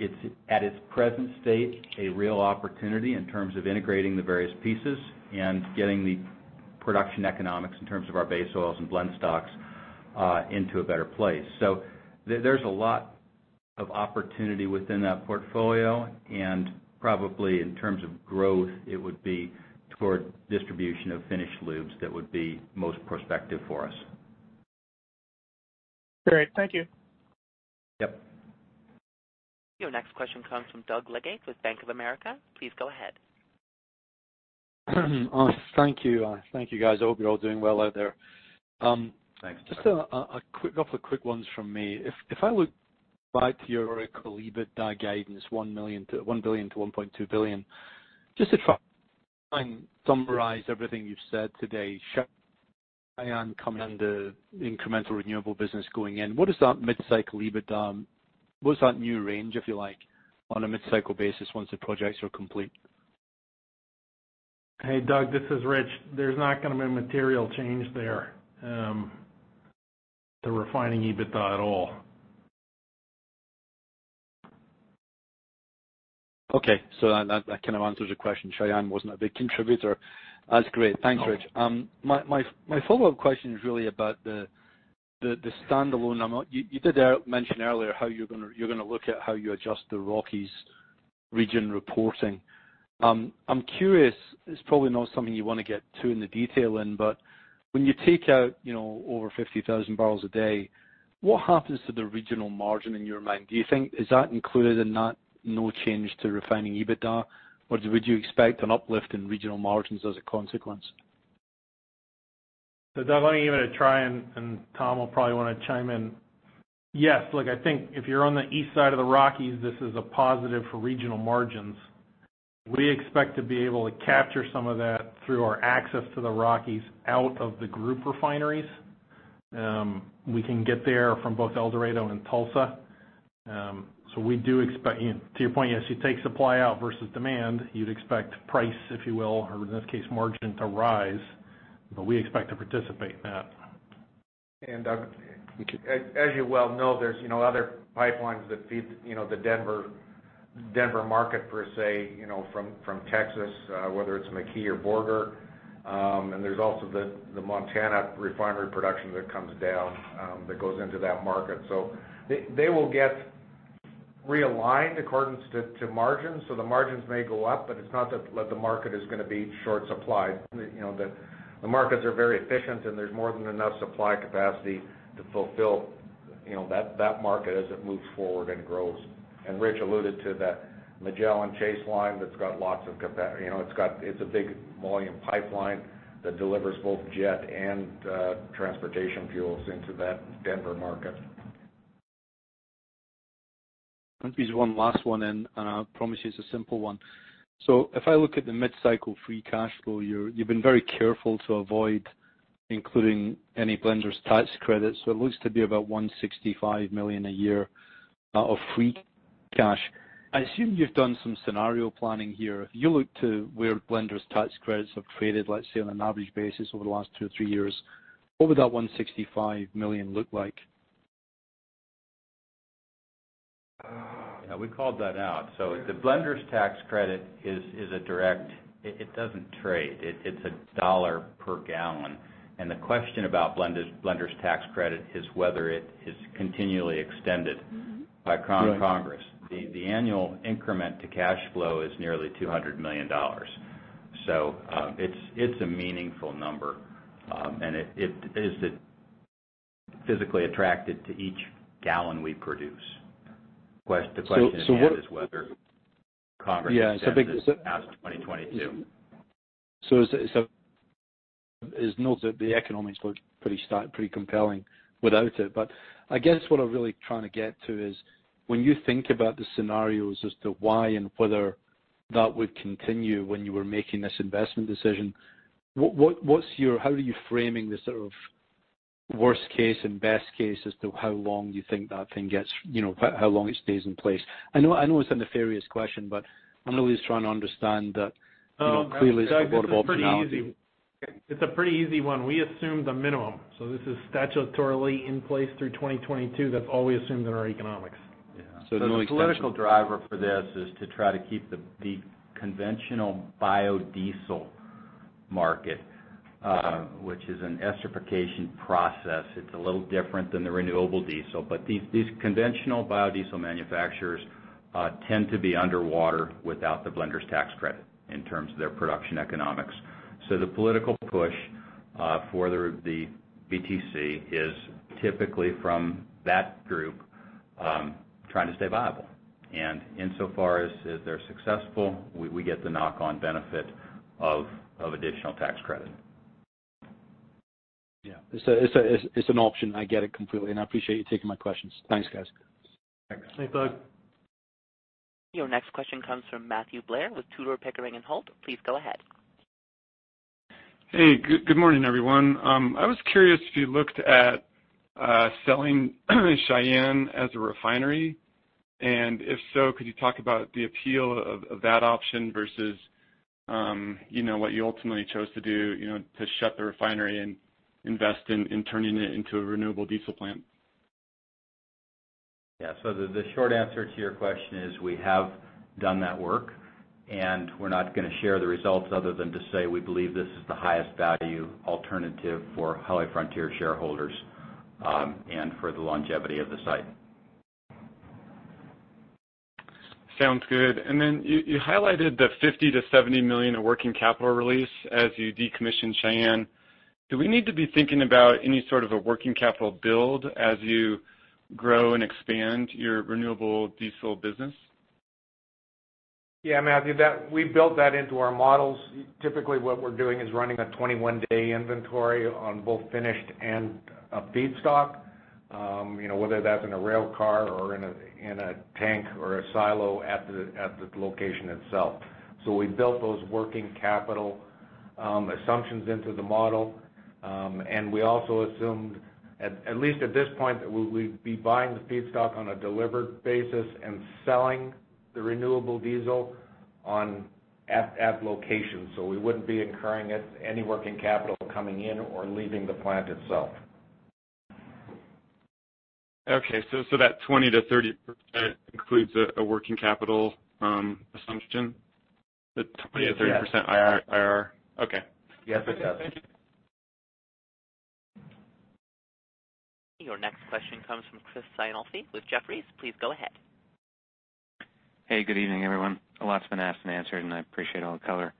It's at its present state, a real opportunity in terms of integrating the various pieces and getting the production economics in terms of our base oils and blend stocks into a better place. There's a lot of opportunity within that portfolio, and probably in terms of growth, it would be toward distribution of finished lubes that would be most prospective for us. Great. Thank you. Yep. Your next question comes from Doug Leggate with Bank of America. Please go ahead. Thank you. Thank you, guys. I hope you're all doing well out there. Thanks, Doug. Just a couple of quick ones from me. If I look back to your EBITDA guidance, $1 billion to $1.2 billion, just to try and summarize everything you've said today, Cheyenne coming and the incremental renewable business going in, what is that mid-cycle EBITDA? What's that new range, if you like, on a mid-cycle basis once the projects are complete? Hey, Doug, this is Rich. There's not going to be a material change there to refining EBITDA at all. Okay, so that kind of answers the question. Cheyenne wasn't a big contributor. That's great. Thanks, Rich. My follow-up question is really about the standalone. You did mention earlier how you're going to look at how you adjust the Rockies region reporting. I'm curious, it's probably not something you want to get too into detail in, but when you take out over 50,000 barrels a day, what happens to the regional margin in your mind? Is that included in that no change to refining EBITDA, or would you expect an uplift in regional margins as a consequence? Doug, let me give it a try, and Tom will probably want to chime in. Yes. Look, I think if you're on the east side of the Rockies, this is a positive for regional margins. We expect to be able to capture some of that through our access to the Rockies out of the group refineries. We can get there from both El Dorado and Tulsa. To your point, yes, you take supply out versus demand, you'd expect price, if you will, or in this case, margin to rise, but we expect to participate in that. Doug, as you well know, there's other pipelines that feed the Denver market, per se, from Texas, whether it's McKee or Borger, and there's also the Montana refinery production that comes down, that goes into that market. They will get realigned according to margins. The margins may go up, but it's not that the market is going to be short supplied. The markets are very efficient, and there's more than enough supply capacity to fulfill, you know, that market as it moves forward and grows. Rich alluded to that Magellan Chase Mainline that's got lots of capacity. It's a big volume pipeline that delivers both jet and transportation fuels into that Denver market. Let me squeeze one last one in and I promise you it's a simple one. If I look at the mid-cycle free cash flow, you've been very careful to avoid including any blenders tax credit. It looks to be about $165 million a year of free cash. I assume you've done some scenario planning here. If you look to where blenders tax credits have traded, let's say, on an average basis over the last two or three years, what would that $165 million look like? We called that out. The blenders tax credit is a direct. It doesn't trade. It's $1 per gallon. The question about blenders tax credit is whether it is continually extended by Congress. Right. The annual increment to cash flow is nearly $200 million. It's a meaningful number. It is the physically attached to each gallon we produce. The question at hand is whether Congress extends this past 2022. It's noted the economics looks pretty compelling without it, but I guess what I'm really trying to get to is, when you think about the scenarios as to why and whether that would continue when you were making this investment decision, how are you framing the sort of worst case and best case as to how long you think that thing stays in place? I know it's a nefarious question, but I'm always trying to understand that clearly there's a broad optionality. Oh, Doug, this is pretty easy. It's a pretty easy one. We assume the minimum. This is statutorily in place through 2022. That's all we assumed in our economics. Yeah. No extension. The political driver for this is to try to keep the conventional biodiesel market, which is an esterification process. It's a little different than the renewable diesel. These conventional biodiesel manufacturers tend to be underwater without the blenders tax credit in terms of their production economics. The political push for the BTC is typically from that group trying to stay viable. Insofar as they're successful, we get the knock-on benefit of additional tax credit. Yeah. It's an option. I get it completely, and I appreciate you taking my questions. Thanks, guys. Thanks. Thanks, Doug. Your next question comes from Matthew Blair with Tudor, Pickering, and Holt. Please go ahead. Hey, good morning, everyone. I was curious if you looked at selling Cheyenne as a refinery? If so, could you talk about the appeal of that option versus what you ultimately chose to do, to shut the refinery and invest in turning it into a renewable diesel plant? Yeah, so the short answer to your question is we have done that work, and we're not going to share the results other than to say we believe this is the highest value alternative for HollyFrontier shareholders, and for the longevity of the site. Sounds good. You highlighted the $50 million to $70 million of working capital release as you decommission Cheyenne. Do we need to be thinking about any sort of a working capital build as you grow and expand your renewable diesel business? Yeah, Matthew, we built that into our models. Typically, what we're doing is running a 21-day inventory on both finished and feedstock, you know, whether that's in a rail car or in a tank or a silo at the location itself, so we build those working capital assumptions into the model. We also assumed, at least at this point, that we'd be buying the feedstock on a delivered basis and selling the renewable diesel at location. We wouldn't be incurring any working capital coming in or leaving the plant itself. Okay, that 20% to 30% includes a working capital assumption, the 20% to 30% IRR? Yes. Okay. Yes, it does. Thank you. Your next question comes from Chris Sighinolfi with Jefferies. Please go ahead. Hey, good evening, everyone. A lot's been asked and answered, and I appreciate all the color.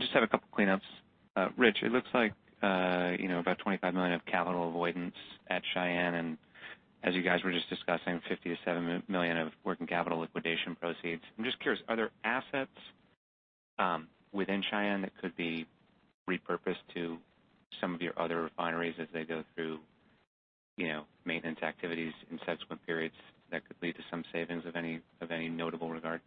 Just have a couple cleanups. Rich, it looks like about $25 million of capital avoidance at Cheyenne, and as you guys were just discussing, $50 million to $70 million of working capital liquidation proceeds. I'm just curious, are there assets within Cheyenne that could be repurposed to some of your other refineries as they go through, you know, maintenance activities in subsequent periods that could lead to some savings of any notable regard?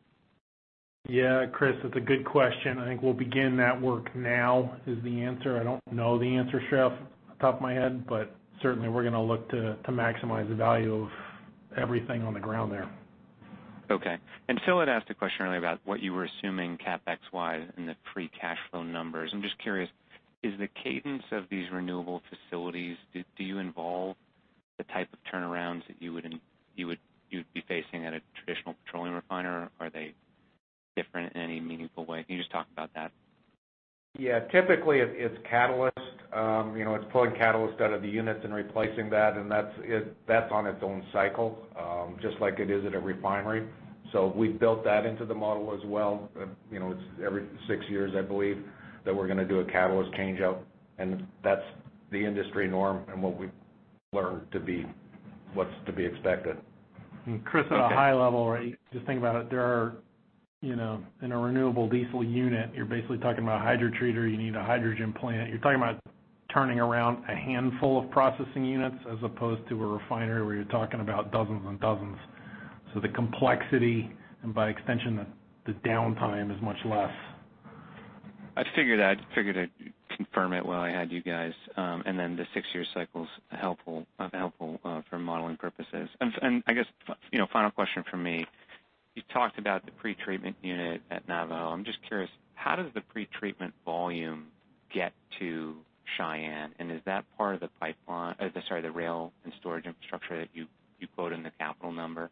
Yeah, Chris, it's a good question. I think we'll begin that work now is the answer. I don't know the answer, chef, off the top of my head, but certainly, we're going to look to maximize the value of everything on the ground there. Okay. Phil had asked a question earlier about what you were assuming CapEx-wise in the free cash flow numbers. I'm just curious, is the cadence of these renewable facilities, do you involve the type of turnarounds that you would be facing at a traditional petroleum refiner? Are they different in any meaningful way? Can you just talk about that? Yeah, typically, it's catalyst. It's pulling catalyst out of the units and replacing that, and that's on its own cycle, just like it is at a refinery. We've built that into the model as well. It's every six years, I believe, that we're going to do a catalyst changeout, and that's the industry norm and what we've learned to be what's to be expected. Okay. Chris, at a high level, just think about it, in a renewable diesel unit, you're basically talking about a hydrotreater. You need a hydrogen plant. You're talking about turning around a handful of processing units as opposed to a refinery where you're talking about dozens and dozens. The complexity, and by extension, the downtime is much less. I figured I'd confirm it while I had you guys and then the six-year cycle's helpful for modeling purposes. I guess, final question from me. You talked about the pretreatment unit at Navajo. I'm just curious, how does the pretreatment volume get to Cheyenne, and is that part of the rail and storage infrastructure that you quote in the capital number?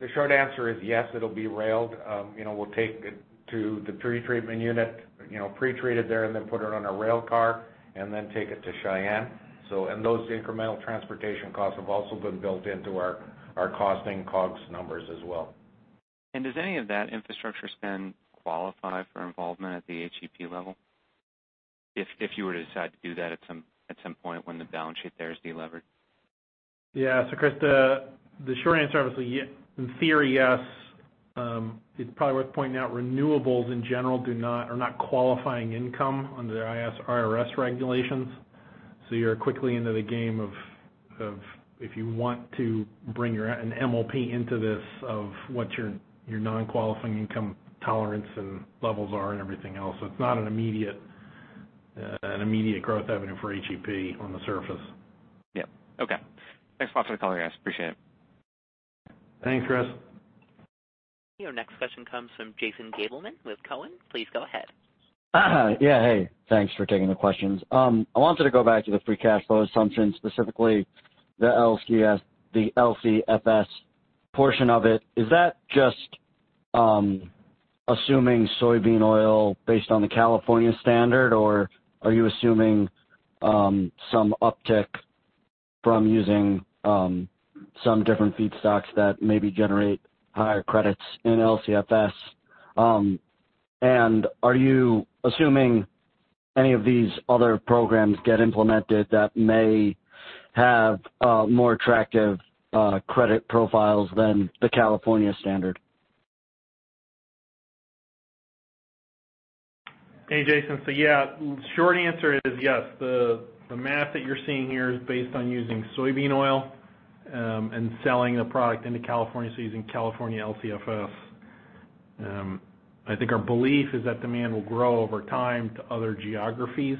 The short answer is yes, it'll be railed. We'll take it to the pretreatment unit, pretreat it there, and then put it on a rail car and then take it to Cheyenne. Those incremental transportation costs have also been built into our costing COGS numbers as well. Does any of that infrastructure spend qualify for involvement at the HEP level? If you were to decide to do that at some point when the balance sheet there is de-levered? Yeah. Chris, the short answer, obviously, in theory, yes. It's probably worth pointing out renewables in general are not qualifying income under the IRS regulations. You're quickly into the game of, if you want to bring an MLP into this, of what your non-qualifying income tolerance and levels are and everything else. It's not an immediate growth avenue for HEP on the surface. Yep, okay. Thanks much for the color, guys, appreciate it. Thanks, Chris. Your next question comes from Jason Gabelman with Cowen. Please go ahead. Yeah, hey, thanks for taking the questions. I wanted to go back to the free cash flow assumption, specifically the LCFS portion of it. Is that just assuming soybean oil based on the California standard, or are you assuming some uptick from using some different feedstocks that maybe generate higher credits in LCFS? Are you assuming any of these other programs get implemented that may have more attractive credit profiles than the California standard? Hey, Jason. Yeah, short answer is yes. The math that you're seeing here is based on using soybean oil and selling the product into California, so using California LCFS. I think our belief is that demand will grow over time to other geographies.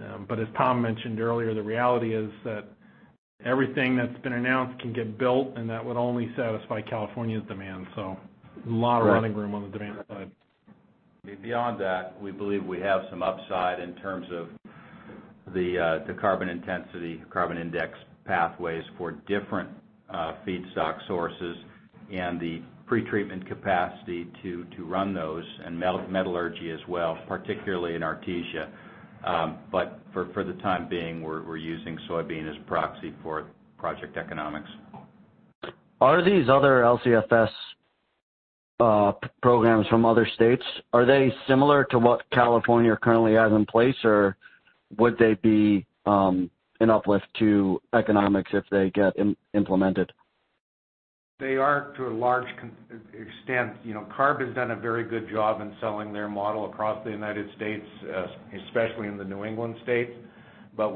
As Tom mentioned earlier, the reality is that everything that's been announced can get built, and that would only satisfy California's demand, so a lot of running room on the demand side. Beyond that, we believe we have some upside in terms of the carbon intensity, carbon index pathways for different feedstock sources and the pretreatment capacity to run those and metallurgy as well, particularly in Artesia. For the time being, we're using soybean as proxy for project economics. Are these other LCFS programs from other states, are they similar to what California currently has in place, or would they be an uplift to economics if they get implemented? They are to a large extent. CARB has done a very good job in selling their model across the United States, especially in the New England states.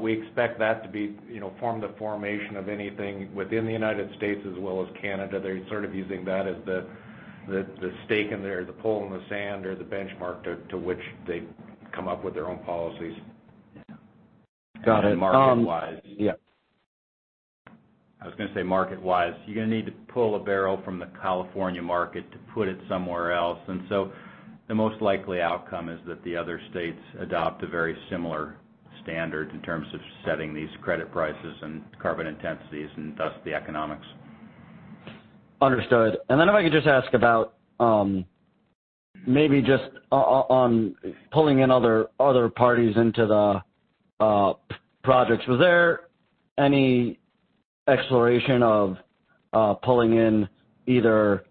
We expect that to form the formation of anything within the United States as well as Canada. They're sort of using that as the stake in there, or the pole in the sand or the benchmark to which they come up with their own policies. Got it. Market-wise. Yep. I was going to say, market-wise, you're going to need to pull a barrel from the California market to put it somewhere else. The most likely outcome is that the other states adopt a very similar standard in terms of setting these credit prices and carbon intensities and thus the economics. Understood. If I could just ask about maybe just on pulling in other parties into the projects. Was there any exploration of pulling in either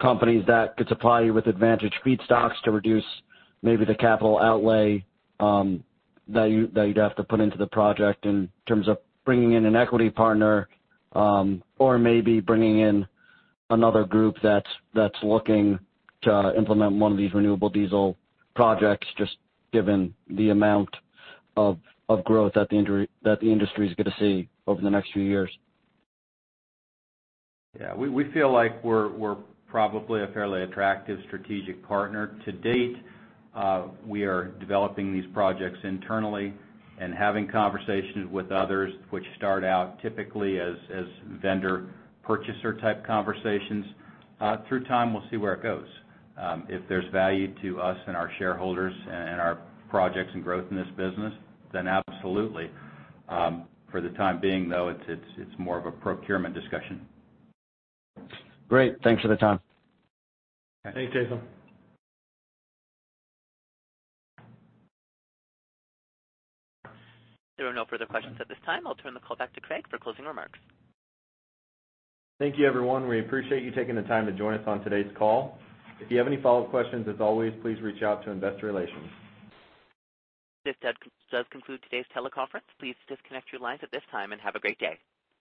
companies that could supply you with advantage feedstocks to reduce maybe the capital outlay that you'd have to put into the project in terms of bringing in an equity partner? Or maybe bringing in another group that's looking to implement one of these renewable diesel projects, just given the amount of growth that the industry's going to see over the next few years? Yeah, we feel like we're probably a fairly attractive strategic partner. To date, we are developing these projects internally and having conversations with others, which start out typically as vendor purchaser type conversations. Through time, we'll see where it goes. If there's value to us and our shareholders and our projects and growth in this business, then absolutely. For the time being, though, it's more of a procurement discussion. Great. Thanks for the time. Thanks, Jason. There are no further questions at this time. I'll turn the call back to Craig for closing remarks. Thank you, everyone. We appreciate you taking the time to join us on today's call. If you have any follow-up questions, as always, please reach out to Investor Relations. This does conclude today's teleconference. Please disconnect your lines at this time and have a great day.